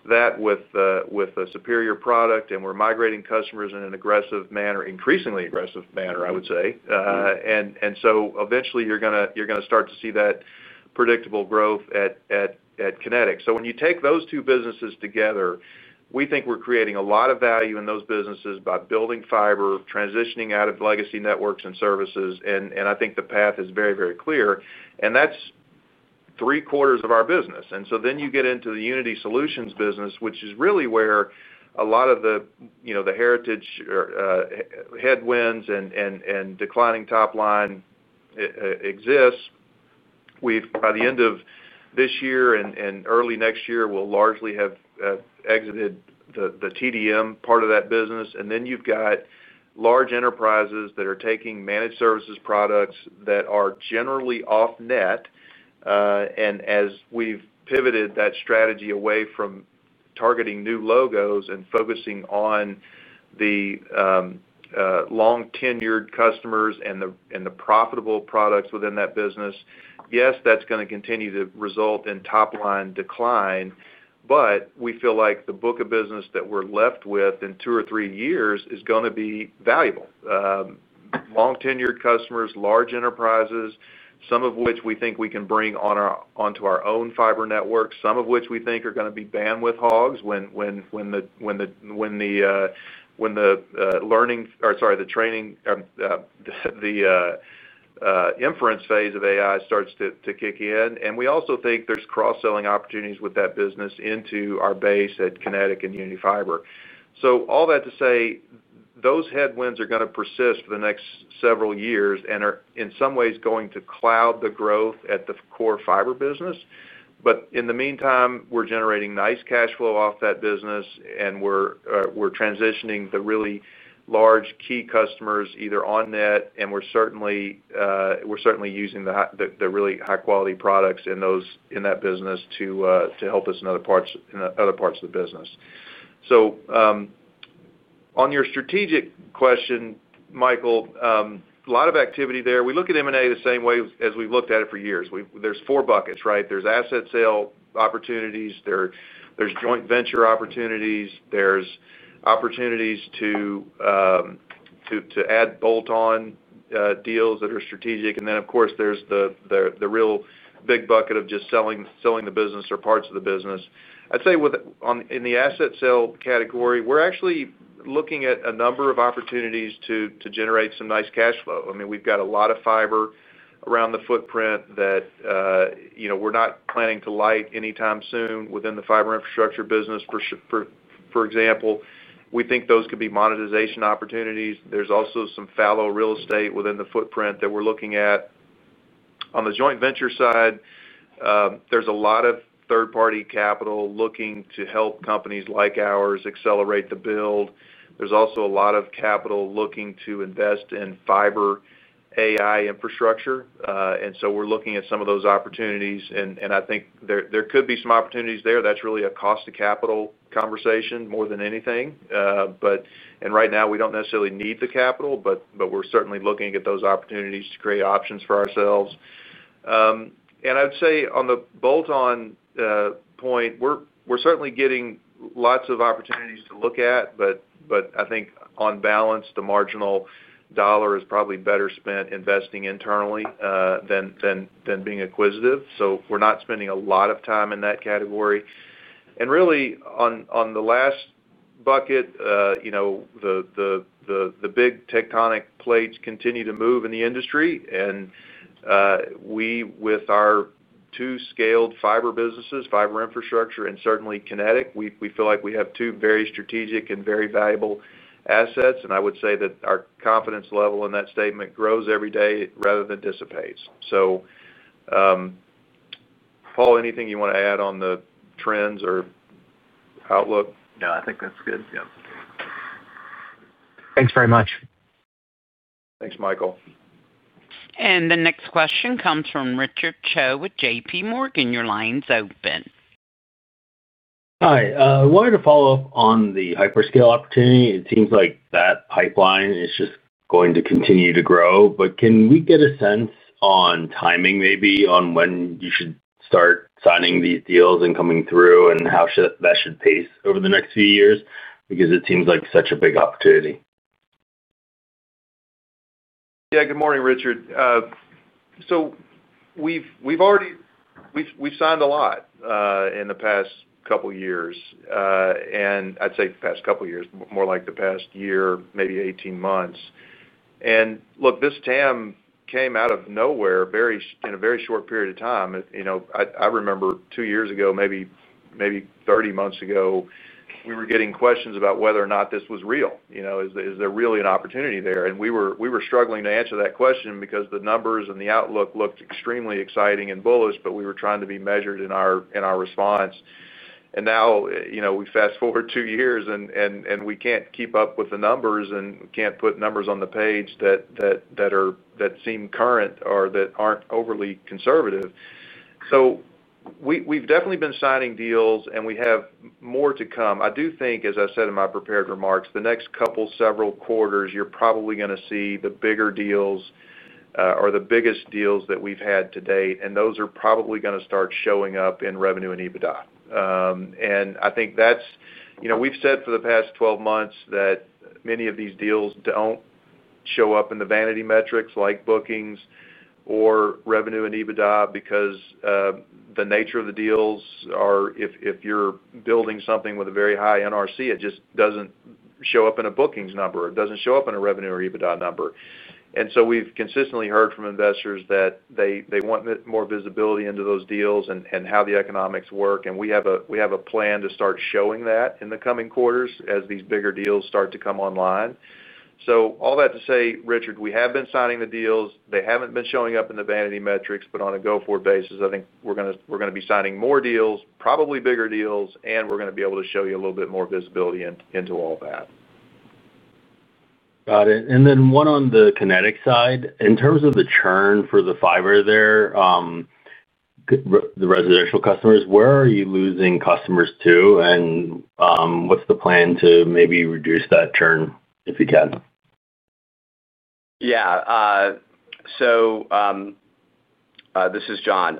that with a superior product, and we're migrating customers in an aggressive manner, increasingly aggressive manner, I would say. And so eventually, you're going to start to see that predictable growth at Kinetic. So when you take those two businesses together, we think we're creating a lot of value in those businesses by building fiber, transitioning out of legacy networks and services. And I think the path is very, very clear. And that's three quarters of our business. And so then you get into the Uniti Solutions business, which is really where a lot of the heritage headwinds and declining top line exist. By the end of this year and early next year, we'll largely have exited the TDM part of that business. And then you've got large enterprises that are taking managed services products that are generally off net. And as we've pivoted that strategy away from targeting new logos and focusing on the long-tenured customers and the profitable products within that business, yes, that's going to continue to result in top line decline. But we feel like the book of business that we're left with in two or three years is going to be valuable. Long-tenured customers, large enterprises, some of which we think we can bring onto our own fiber networks, some of which we think are going to be bandwidth hogs when the learning or sorry, the training, the inference phase of AI starts to kick in. And we also think there's cross-selling opportunities with that business into our base at Kinetic and Uniti Fiber. So all that to say, those headwinds are going to persist for the next several years and are in some ways going to cloud the growth at the core fiber business. But in the meantime, we're generating nice cash flow off that business, and we're transitioning the really large key customers either on net. And we're certainly using the really high-quality products in that business to help us in other parts of the business. So on your strategic question, Michael, a lot of activity there. We look at M&A the same way as we've looked at it for years. There's four buckets, right? There's asset sale opportunities. There's joint venture opportunities. There's opportunities to add bolt-on deals that are strategic. And then, of course, there's the real big bucket of just selling the business or parts of the business. I'd say in the asset sale category, we're actually looking at a number of opportunities to generate some nice cash flow. I mean, we've got a lot of fiber around the footprint that we're not planning to light anytime soon within the fiber infrastructure business. For example, we think those could be monetization opportunities. There's also some fallow real estate within the footprint that we're looking at. On the joint venture side, there's a lot of third-party capital looking to help companies like ours accelerate the build. There's also a lot of capital looking to invest in fiber AI infrastructure. And so we're looking at some of those opportunities. And I think there could be some opportunities there. That's really a cost of capital conversation more than anything. And right now, we don't necessarily need the capital, but we're certainly looking at those opportunities to create options for ourselves. And I would say on the bolt-on point, we're certainly getting lots of opportunities to look at, but I think on balance, the marginal dollar is probably better spent investing internally than being acquisitive. So we're not spending a lot of time in that category. And really, on the last bucket, the big tectonic plates continue to move in the industry. And we, with our two scaled fiber businesses, fiber infrastructure and certainly Kinetic, we feel like we have two very strategic and very valuable assets. And I would say that our confidence level in that statement grows every day rather than dissipates. So, Paul, anything you want to add on the trends or outlook? No, I think that's good. Yeah. Thanks very much. Thanks, Michael. The next question comes from Richard Choe with JPMorgan. Your line's open. Hi. I wanted to follow up on the hyperscale opportunity. It seems like that pipeline is just going to continue to grow. But can we get a sense on timing, maybe, on when you should start signing these deals and coming through and how that should pace over the next few years? Because it seems like such a big opportunity. Yeah. Good morning, Richard. So we've signed a lot in the past couple of years. And I'd say the past couple of years, more like the past year, maybe 18 months. And look, this TAM came out of nowhere in a very short period of time. I remember two years ago, maybe 30 months ago, we were getting questions about whether or not this was real. Is there really an opportunity there? And we were struggling to answer that question because the numbers and the outlook looked extremely exciting and bullish, but we were trying to be measured in our response. And now we fast forward two years, and we can't keep up with the numbers and can't put numbers on the page that seem current or that aren't overly conservative. So. We've definitely been signing deals, and we have more to come. I do think, as I said in my prepared remarks, the next couple, several quarters, you're probably going to see the bigger deals. Or the biggest deals that we've had to date. And those are probably going to start showing up in revenue and EBITDA. And I think that's. We've said for the past 12 months that many of these deals don't show up in the vanity metrics like bookings or revenue and EBITDA because the nature of the deals are, if you're building something with a very high NRC, it just doesn't show up in a bookings number. It doesn't show up in a revenue or EBITDA number. And so we've consistently heard from investors that they want more visibility into those deals and how the economics work. And we have a plan to start showing that in the coming quarters as these bigger deals start to come online. So all that to say, Richard, we have been signing the deals. They haven't been showing up in the vanity metrics, but on a go-forward basis, I think we're going to be signing more deals, probably bigger deals, and we're going to be able to show you a little bit more visibility into all that. Got it. And then one on the Kinetic side. In terms of the churn for the fiber there. The residential customers, where are you losing customers to? And what's the plan to maybe reduce that churn if you can? Yeah. This is John.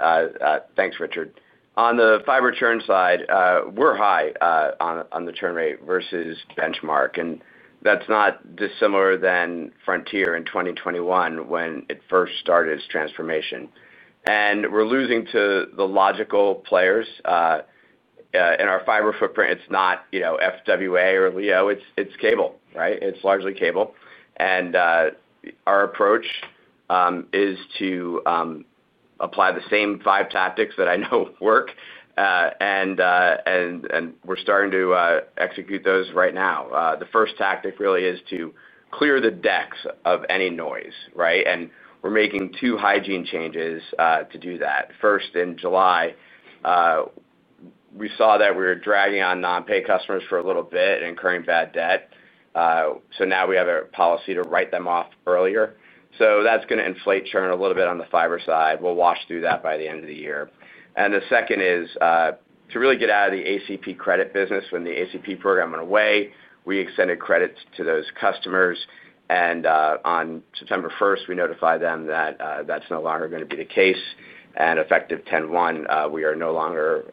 Thanks, Richard. On the fiber churn side, we're high on the churn rate versus benchmark. That's not dissimilar than Frontier in 2021 when it first started its transformation. We're losing to the logical players. In our fiber footprint, it's not FWA or LEO. It's cable, right? It's largely cable. Our approach is to apply the same five tactics that I know work. We're starting to execute those right now. The first tactic really is to clear the decks of any noise, right? We're making two hygiene changes to do that. First, in July, we saw that we were dragging on non-pay customers for a little bit and incurring bad debt. Now we have a policy to write them off earlier. That's going to inflate churn a little bit on the fiber side. We'll wash through that by the end of the year. The second is to really get out of the ACP credit business. When the ACP program went away, we extended credits to those customers. On September 1st, we notified them that that's no longer going to be the case. Effective 10/01, we are no longer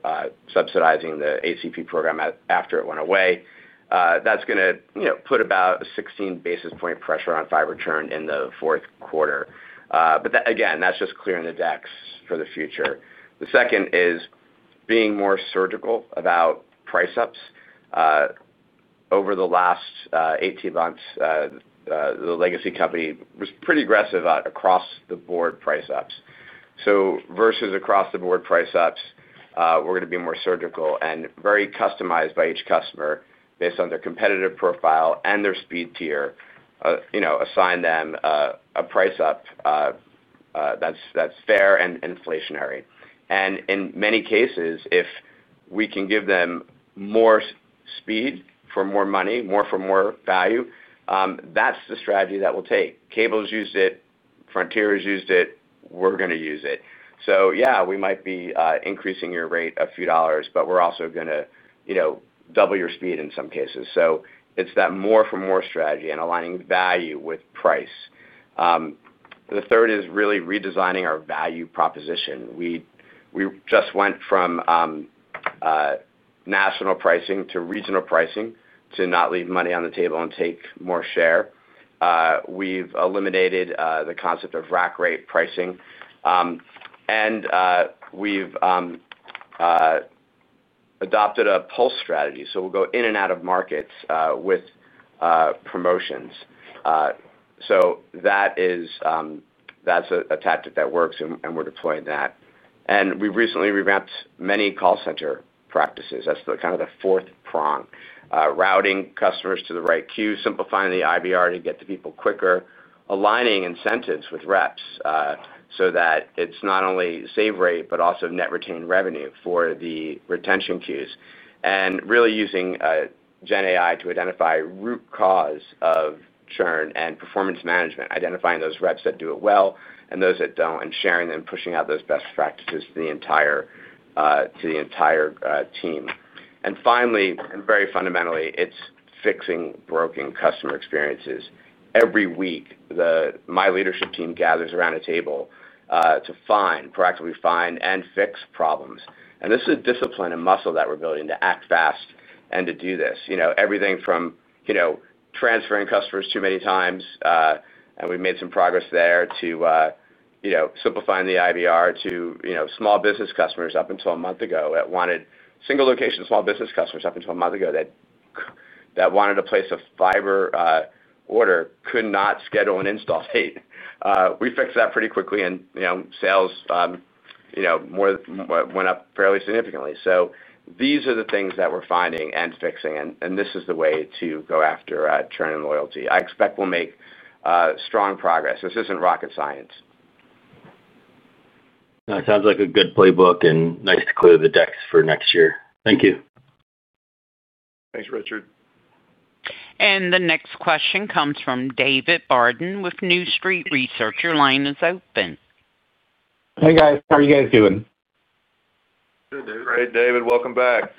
subsidizing the ACP program after it went away. That's going to put about a 16 basis point pressure on fiber churn in the fourth quarter. Again, that's just clearing the decks for the future. The second is being more surgical about price ups. Over the last 18 months, the legacy company was pretty aggressive across the board price ups. Versus across the board price ups, we're going to be more surgical and very customized by each customer based on their competitive profile and their speed tier. Assign them a price up that's fair and inflationary. In many cases, if we can give them more speed for more money, more for more value, that's the strategy that we'll take. Cables used it. Frontier has used it. We're going to use it. Yeah, we might be increasing your rate a few dollars, but we're also going to double your speed in some cases. It's that more for more strategy and aligning value with price. The third is really redesigning our value proposition. We just went from national pricing to regional pricing to not leave money on the table and take more share. We've eliminated the concept of rack rate pricing. We've adopted a pulse strategy. We'll go in and out of markets with promotions. That's a tactic that works, and we're deploying that. We've recently revamped many call center practices. That's kind of the fourth prong: routing customers to the right queue, simplifying the IVR to get to people quicker, aligning incentives with reps so that it's not only save rate, but also net retained revenue for the retention queues. Really using. Gen AI to identify root cause of churn and performance management, identifying those reps that do it well and those that don't, and sharing them, pushing out those best practices to the entire team. And finally, and very fundamentally, it's fixing broken customer experiences every week. My leadership team gathers around a table to proactively find and fix problems. And this is a discipline and muscle that we're building to act fast and to do this. Everything from transferring customers too many times, and we made some progress there, to simplifying the IVR to small business customers up until a month ago. Single location small business customers up until a month ago that wanted to place a fiber order could not schedule an install date. We fixed that pretty quickly, and sales went up fairly significantly. So these are the things that we're finding and fixing. And this is the way to go after churn and loyalty. I expect we'll make strong progress. This isn't rocket science. That sounds like a good playbook and nice to clear the decks for next year. Thank you. Thanks, Richard. The next question comes from David Barden with New Street Research. Your line is open. Hey, guys. How are you guys doing? Good, David. Right, David. Welcome back.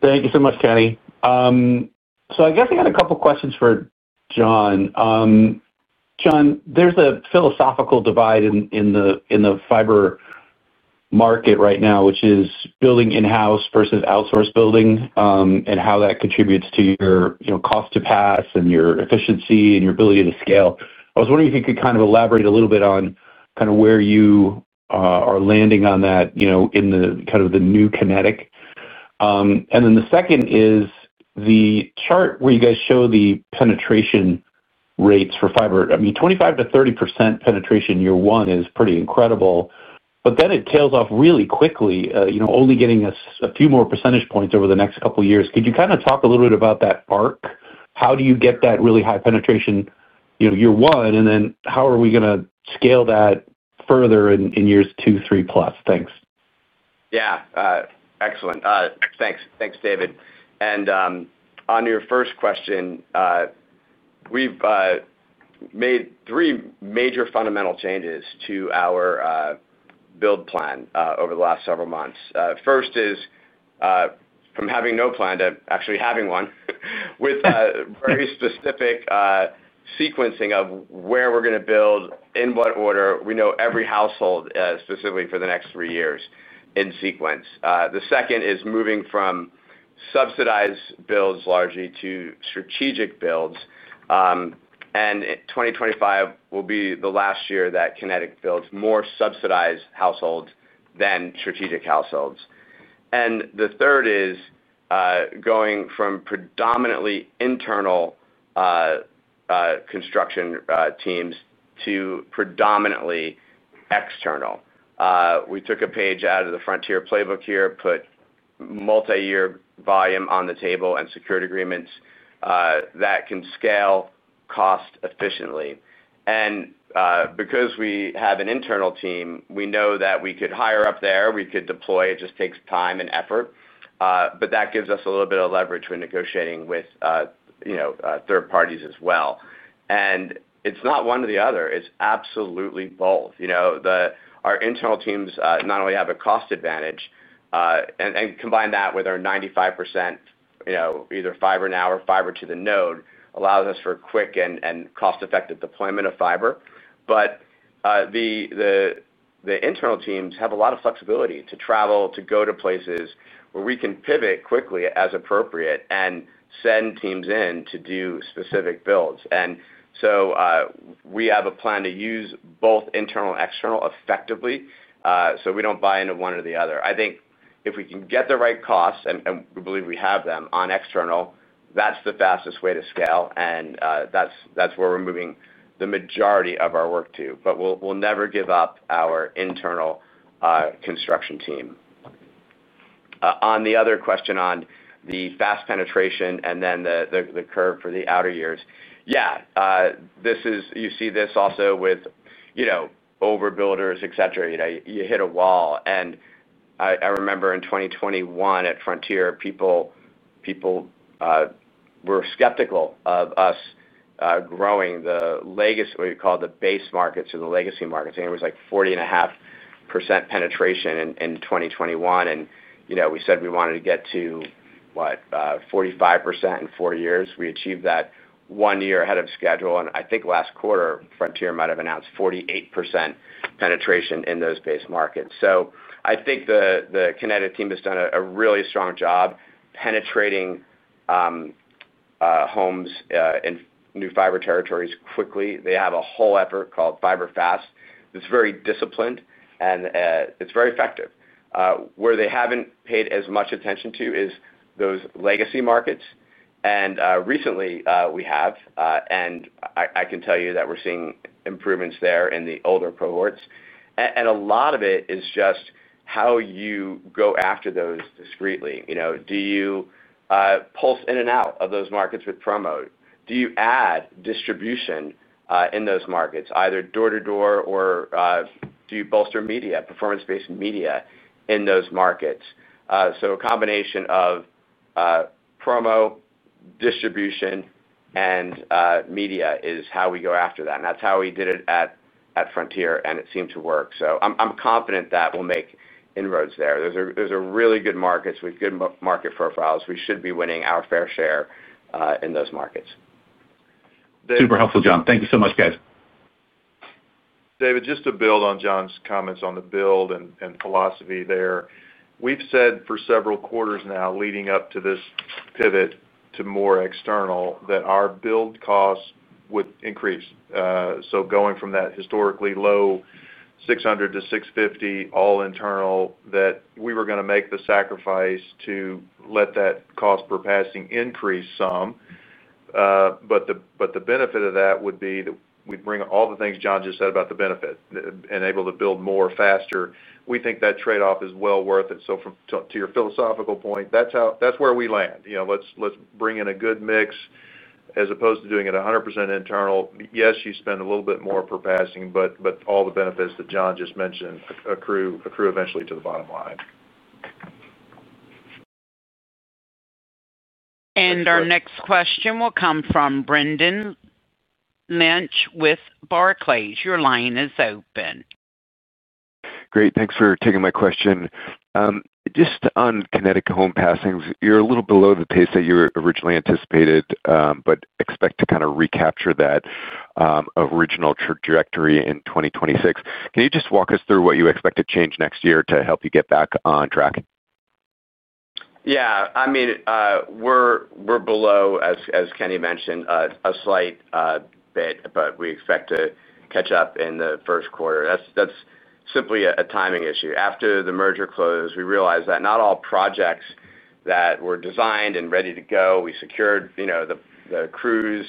Thank you so much, Kenny. So I guess I got a couple of questions for John. John, there's a philosophical divide in the fiber market right now, which is building in-house versus outsource building and how that contributes to your cost to pass and your efficiency and your ability to scale. I was wondering if you could kind of elaborate a little bit on kind of where you are landing on that in kind of the new Kinetic. And then the second is the chart where you guys show the penetration rates for fiber. I mean, 25%-30% penetration year one is pretty incredible. But then it tails off really quickly, only getting a few more percentage points over the next couple of years. Could you kind of talk a little bit about that arc? How do you get that really high penetration year one? And then how are we going to scale that further in years two, three plus? Thanks. Yeah. Excellent. Thanks, David. On your first question, we've made three major fundamental changes to our build plan over the last several months. First is from having no plan to actually having one with very specific sequencing of where we're going to build, in what order. We know every household specifically for the next three years in sequence. The second is moving from subsidized builds largely to strategic builds. And 2025 will be the last year that Kinetic builds more subsidized households than strategic households. And the third is going from predominantly internal construction teams to predominantly external. We took a page out of the Frontier playbook here, put multi-year volume on the table and security agreements that can scale cost efficiently. And because we have an internal team, we know that we could hire up there. We could deploy. It just takes time and effort. But that gives us a little bit of leverage when negotiating with third parties as well. And it's not one or the other. It's absolutely both. Our internal teams not only have a cost advantage, and combine that with our 95% either fiber now or fiber to the node, allows us for quick and cost-effective deployment of fiber. But the internal teams have a lot of flexibility to travel, to go to places where we can pivot quickly as appropriate and send teams in to do specific builds. And so we have a plan to use both internal and external effectively so we don't buy into one or the other. I think if we can get the right costs, and we believe we have them on external, that's the fastest way to scale. And that's where we're moving the majority of our work to. But we'll never give up our internal construction team. On the other question on the fast penetration and then the curve for the outer years, yeah. You see this also with overbuilders, etc. You hit a wall. And I remember in 2021 at Frontier, people were skeptical of us growing the base markets or the legacy markets. I think it was like 40.5% penetration in 2021. And we said we wanted to get to what, 45% in four years. We achieved that one year ahead of schedule. And I think last quarter, Frontier might have announced 48% penetration in those base markets. So I think the Kinetic team has done a really strong job penetrating homes in new fiber territories quickly. They have a whole effort called Fiber Fast that's very disciplined, and it's very effective. Where they haven't paid as much attention to is those legacy markets. And recently, we have. And I can tell you that we're seeing improvements there in the older cohorts. And a lot of it is just how you go after those discreetly. Do you pulse in and out of those markets with promo? Do you add distribution in those markets, either door-to-door, or do you bolster media, performance-based media in those markets? So a combination of promo, distribution, and media is how we go after that. And that's how we did it at Frontier, and it seemed to work. So I'm confident that we'll make inroads there. Those are really good markets with good market profiles. We should be winning our fair share in those markets. Super helpful, John. Thank you so much, guys. David, just to build on John's comments on the build and philosophy there, we've said for several quarters now leading up to this pivot to more external that our build costs would increase. So going from that historically low $600-$650, all internal, that we were going to make the sacrifice to let that cost per passing increase some. But the benefit of that would be that we'd bring all the things John just said about the benefit and able to build more faster. We think that trade-off is well worth it. So to your philosophical point, that's where we land. Let's bring in a good mix as opposed to doing it 100% internal. Yes, you spend a little bit more per passing, but all the benefits that John just mentioned accrue eventually to the bottom line. And our next question will come from Brendan Lynch with Barclays. Your line is open. Great. Thanks for taking my question. Just on Kinetic home passings, you're a little below the pace that you originally anticipated, but expect to kind of recapture that original trajectory in 2026. Can you just walk us through what you expect to change next year to help you get back on track? Yeah. I mean. We're below, as Kenny mentioned, a slight bit, but we expect to catch up in the first quarter. That's simply a timing issue. After the merger closed, we realized that not all projects that were designed and ready to go, we secured the crews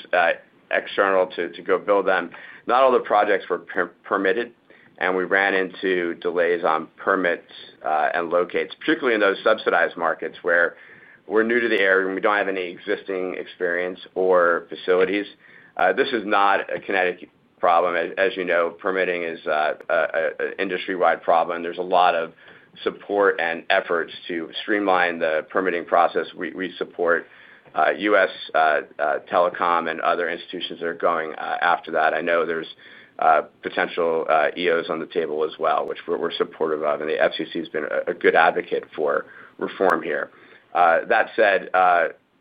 external to go build them, not all the projects were permitted. We ran into delays on permits and locates, particularly in those subsidized markets where we're new to the area and we don't have any existing experience or facilities. This is not a Kinetic problem. As you know, permitting is an industry-wide problem. There's a lot of support and efforts to streamline the permitting process. We support U.S. Telecom and other institutions that are going after that. I know there's potential EOs on the table as well, which we're supportive of. The FCC has been a good advocate for reform here. That said,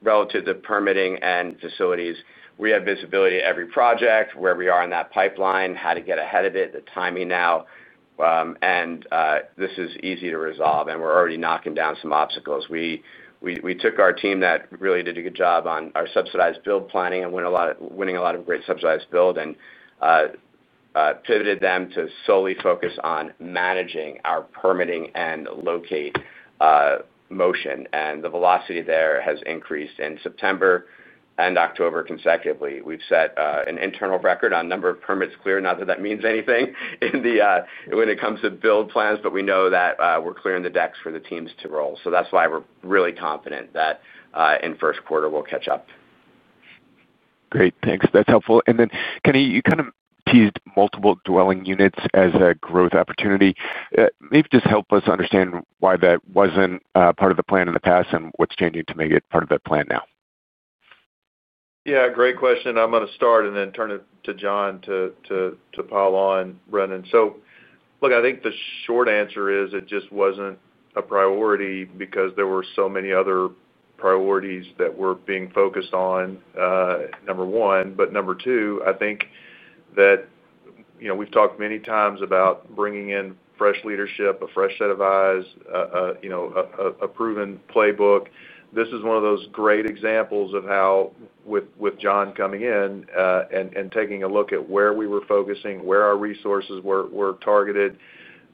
relative to permitting and facilities, we have visibility to every project, where we are in that pipeline, how to get ahead of it, the timing now. This is easy to resolve, and we're already knocking down some obstacles. We took our team that really did a good job on our subsidized build planning and winning a lot of great subsidized build and pivoted them to solely focus on managing our permitting and locate motion. The velocity there has increased in September and October consecutively. We've set an internal record on number of permits cleared, not that that means anything when it comes to build plans, but we know that we're clearing the decks for the teams to roll. That's why we're really confident that in first quarter, we'll catch up. Great. Thanks. That's helpful. And then, Kenny, you kind of teased multiple dwelling units as a growth opportunity. Maybe just help us understand why that wasn't part of the plan in the past and what's changing to make it part of that plan now. Yeah. Great question. I'm going to start and then turn it to John to pile on, Brendan. So look, I think the short answer is it just wasn't a priority because there were so many other priorities that were being focused on. Number one. But number two, I think that. We've talked many times about bringing in fresh leadership, a fresh set of eyes. A proven playbook. This is one of those great examples of how, with John coming in. And taking a look at where we were focusing, where our resources were targeted.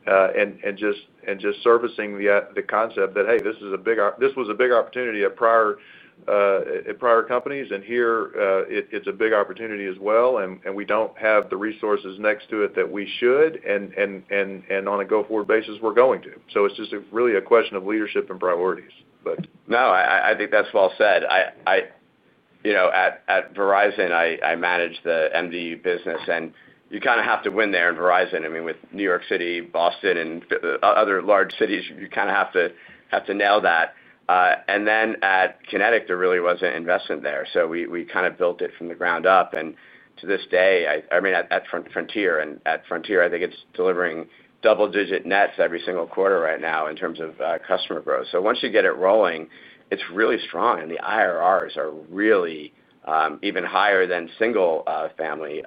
And just servicing the concept that, "Hey, this was a big opportunity at prior companies, and here it's a big opportunity as well. And we don't have the resources next to it that we should, and on a go-forward basis, we're going to." So it's just really a question of leadership and priorities, but. No, I think that's well said. At Verizon, I managed the MDU business, and you kind of have to win there in Verizon. I mean, with New York City, Boston, and other large cities, you kind of have to nail that. And then at Kinetic, there really wasn't investment there. So we kind of built it from the ground up. And to this day, I mean, at Frontier, I think it's delivering double-digit nets every single quarter right now in terms of customer growth. So once you get it rolling, it's really strong. And the IRRs are really even higher than single-family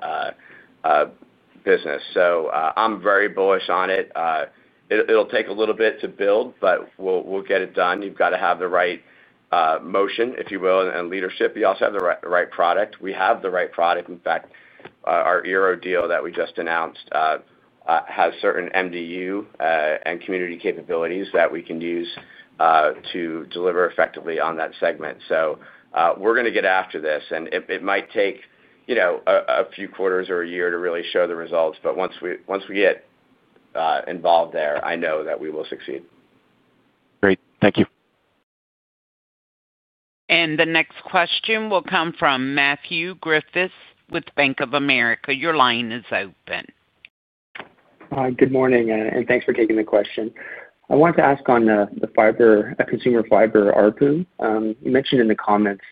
business. So I'm very bullish on it. It'll take a little bit to build, but we'll get it done. You've got to have the right motion, if you will, and leadership. You also have the right product. We have the right product. In fact, our eero deal that we just announced has certain MDU and community capabilities that we can use to deliver effectively on that segment. So we're going to get after this. And it might take a few quarters or a year to really show the results. But once we get involved there, I know that we will succeed. Great. Thank you. And the next question will come from Matthew Griffiths with Bank of America. Your line is open. Good morning, and thanks for taking the question. I wanted to ask on the consumer fiber ARPU. You mentioned in the comments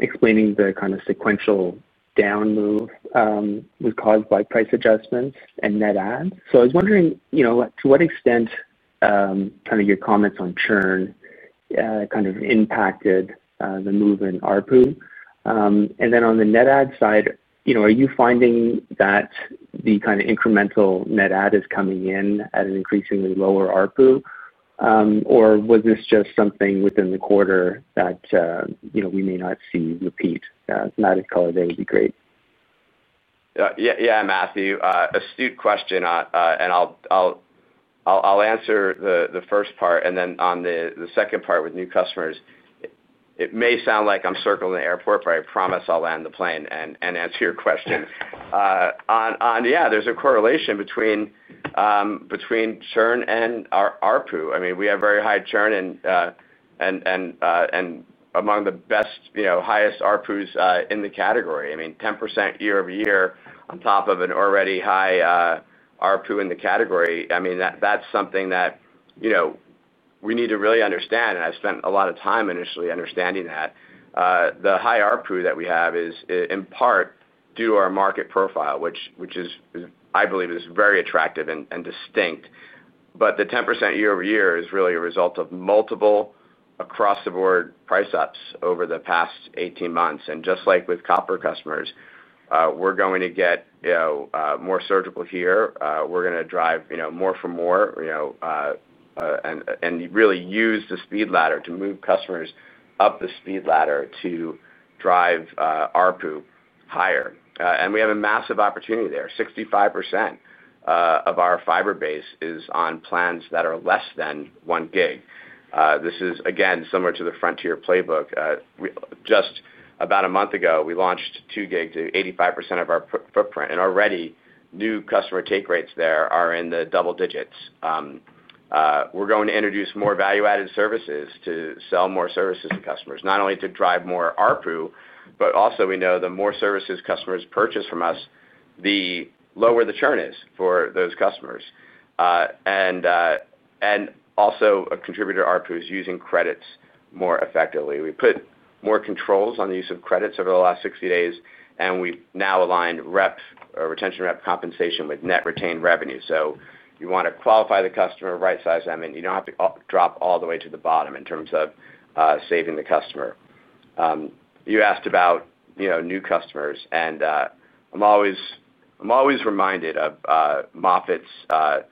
explaining the kind of sequential down move was caused by price adjustments and net adds. So I was wondering to what extent kind of your comments on churn kind of impacted the move in ARPU. And then on the net add side, are you finding that the kind of incremental net add is coming in at an increasingly lower ARPU. Or was this just something within the quarter that we may not see a repeat? If not, a color there would be great. Yeah, Matthew, astute question. I'll answer the first part and then on the second part with new customers. It may sound like I'm circling the airport, but I promise I'll land the plane and answer your question. Yeah, there's a correlation between churn and ARPU. I mean, we have very high churn and among the highest ARPUs in the category. I mean, 10% year-over-year on top of an already high ARPU in the category. I mean, that's something that we need to really understand. And I spent a lot of time initially understanding that. The high ARPU that we have is in part due to our market profile, which I believe is very attractive and distinct. But the 10% year-over-year is really a result of multiple across-the-board price ups over the past 18 months. And just like with copper customers, we're going to get more surgical here. We're going to drive more for more. And really use the speed ladder to move customers up the speed ladder to drive ARPU higher. And we have a massive opportunity there. 65% of our fiber base is on plans that are less than 1 Gbps. This is, again, similar to the Frontier playbook. Just about a month ago, we launched 2 Gbps to 85% of our footprint. And already, new customer take rates there are in the double digits. We're going to introduce more value-added services to sell more services to customers, not only to drive more ARPU, but also we know the more services customers purchase from us, the lower the churn is for those customers. Also, a contributor ARPU is using credits more effectively. We put more controls on the use of credits over the last 60 days, and we've now aligned retention rep compensation with net retained revenue. So you want to qualify the customer, right-size them, and you don't have to drop all the way to the bottom in terms of saving the customer. You asked about new customers, and I'm always reminded of Moffett's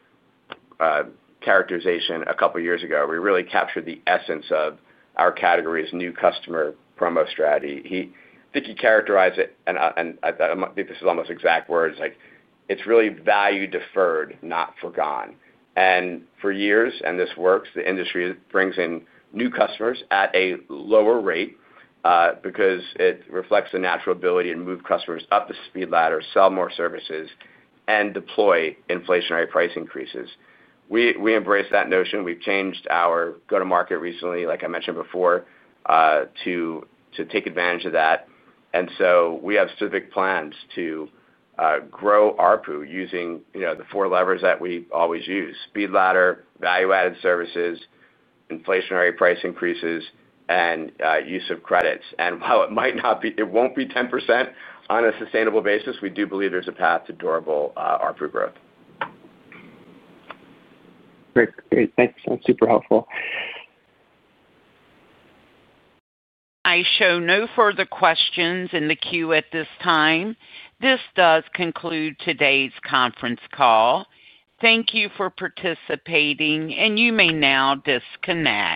characterization a couple of years ago. We really captured the essence of our category's new customer promo strategy. I think he characterized it, and I think this is almost exact words, like, "It's really value deferred, not forgone." And for years, and this works, the industry brings in new customers at a lower rate because it reflects the natural ability to move customers up the speed ladder, sell more services, and deploy inflationary price increases. We embrace that notion. We've changed our go-to-market recently, like I mentioned before, to take advantage of that. And so we have specific plans to grow ARPU using the four levers that we always use: speed ladder, value-added services, inflationary price increases, and use of credits. And while it won't be 10% on a sustainable basis, we do believe there's a path to durable ARPU growth. Great. Great. Thanks. That's super helpful. I show no further questions in the queue at this time. This does conclude today's conference call. Thank you for participating, and you may now disconnect.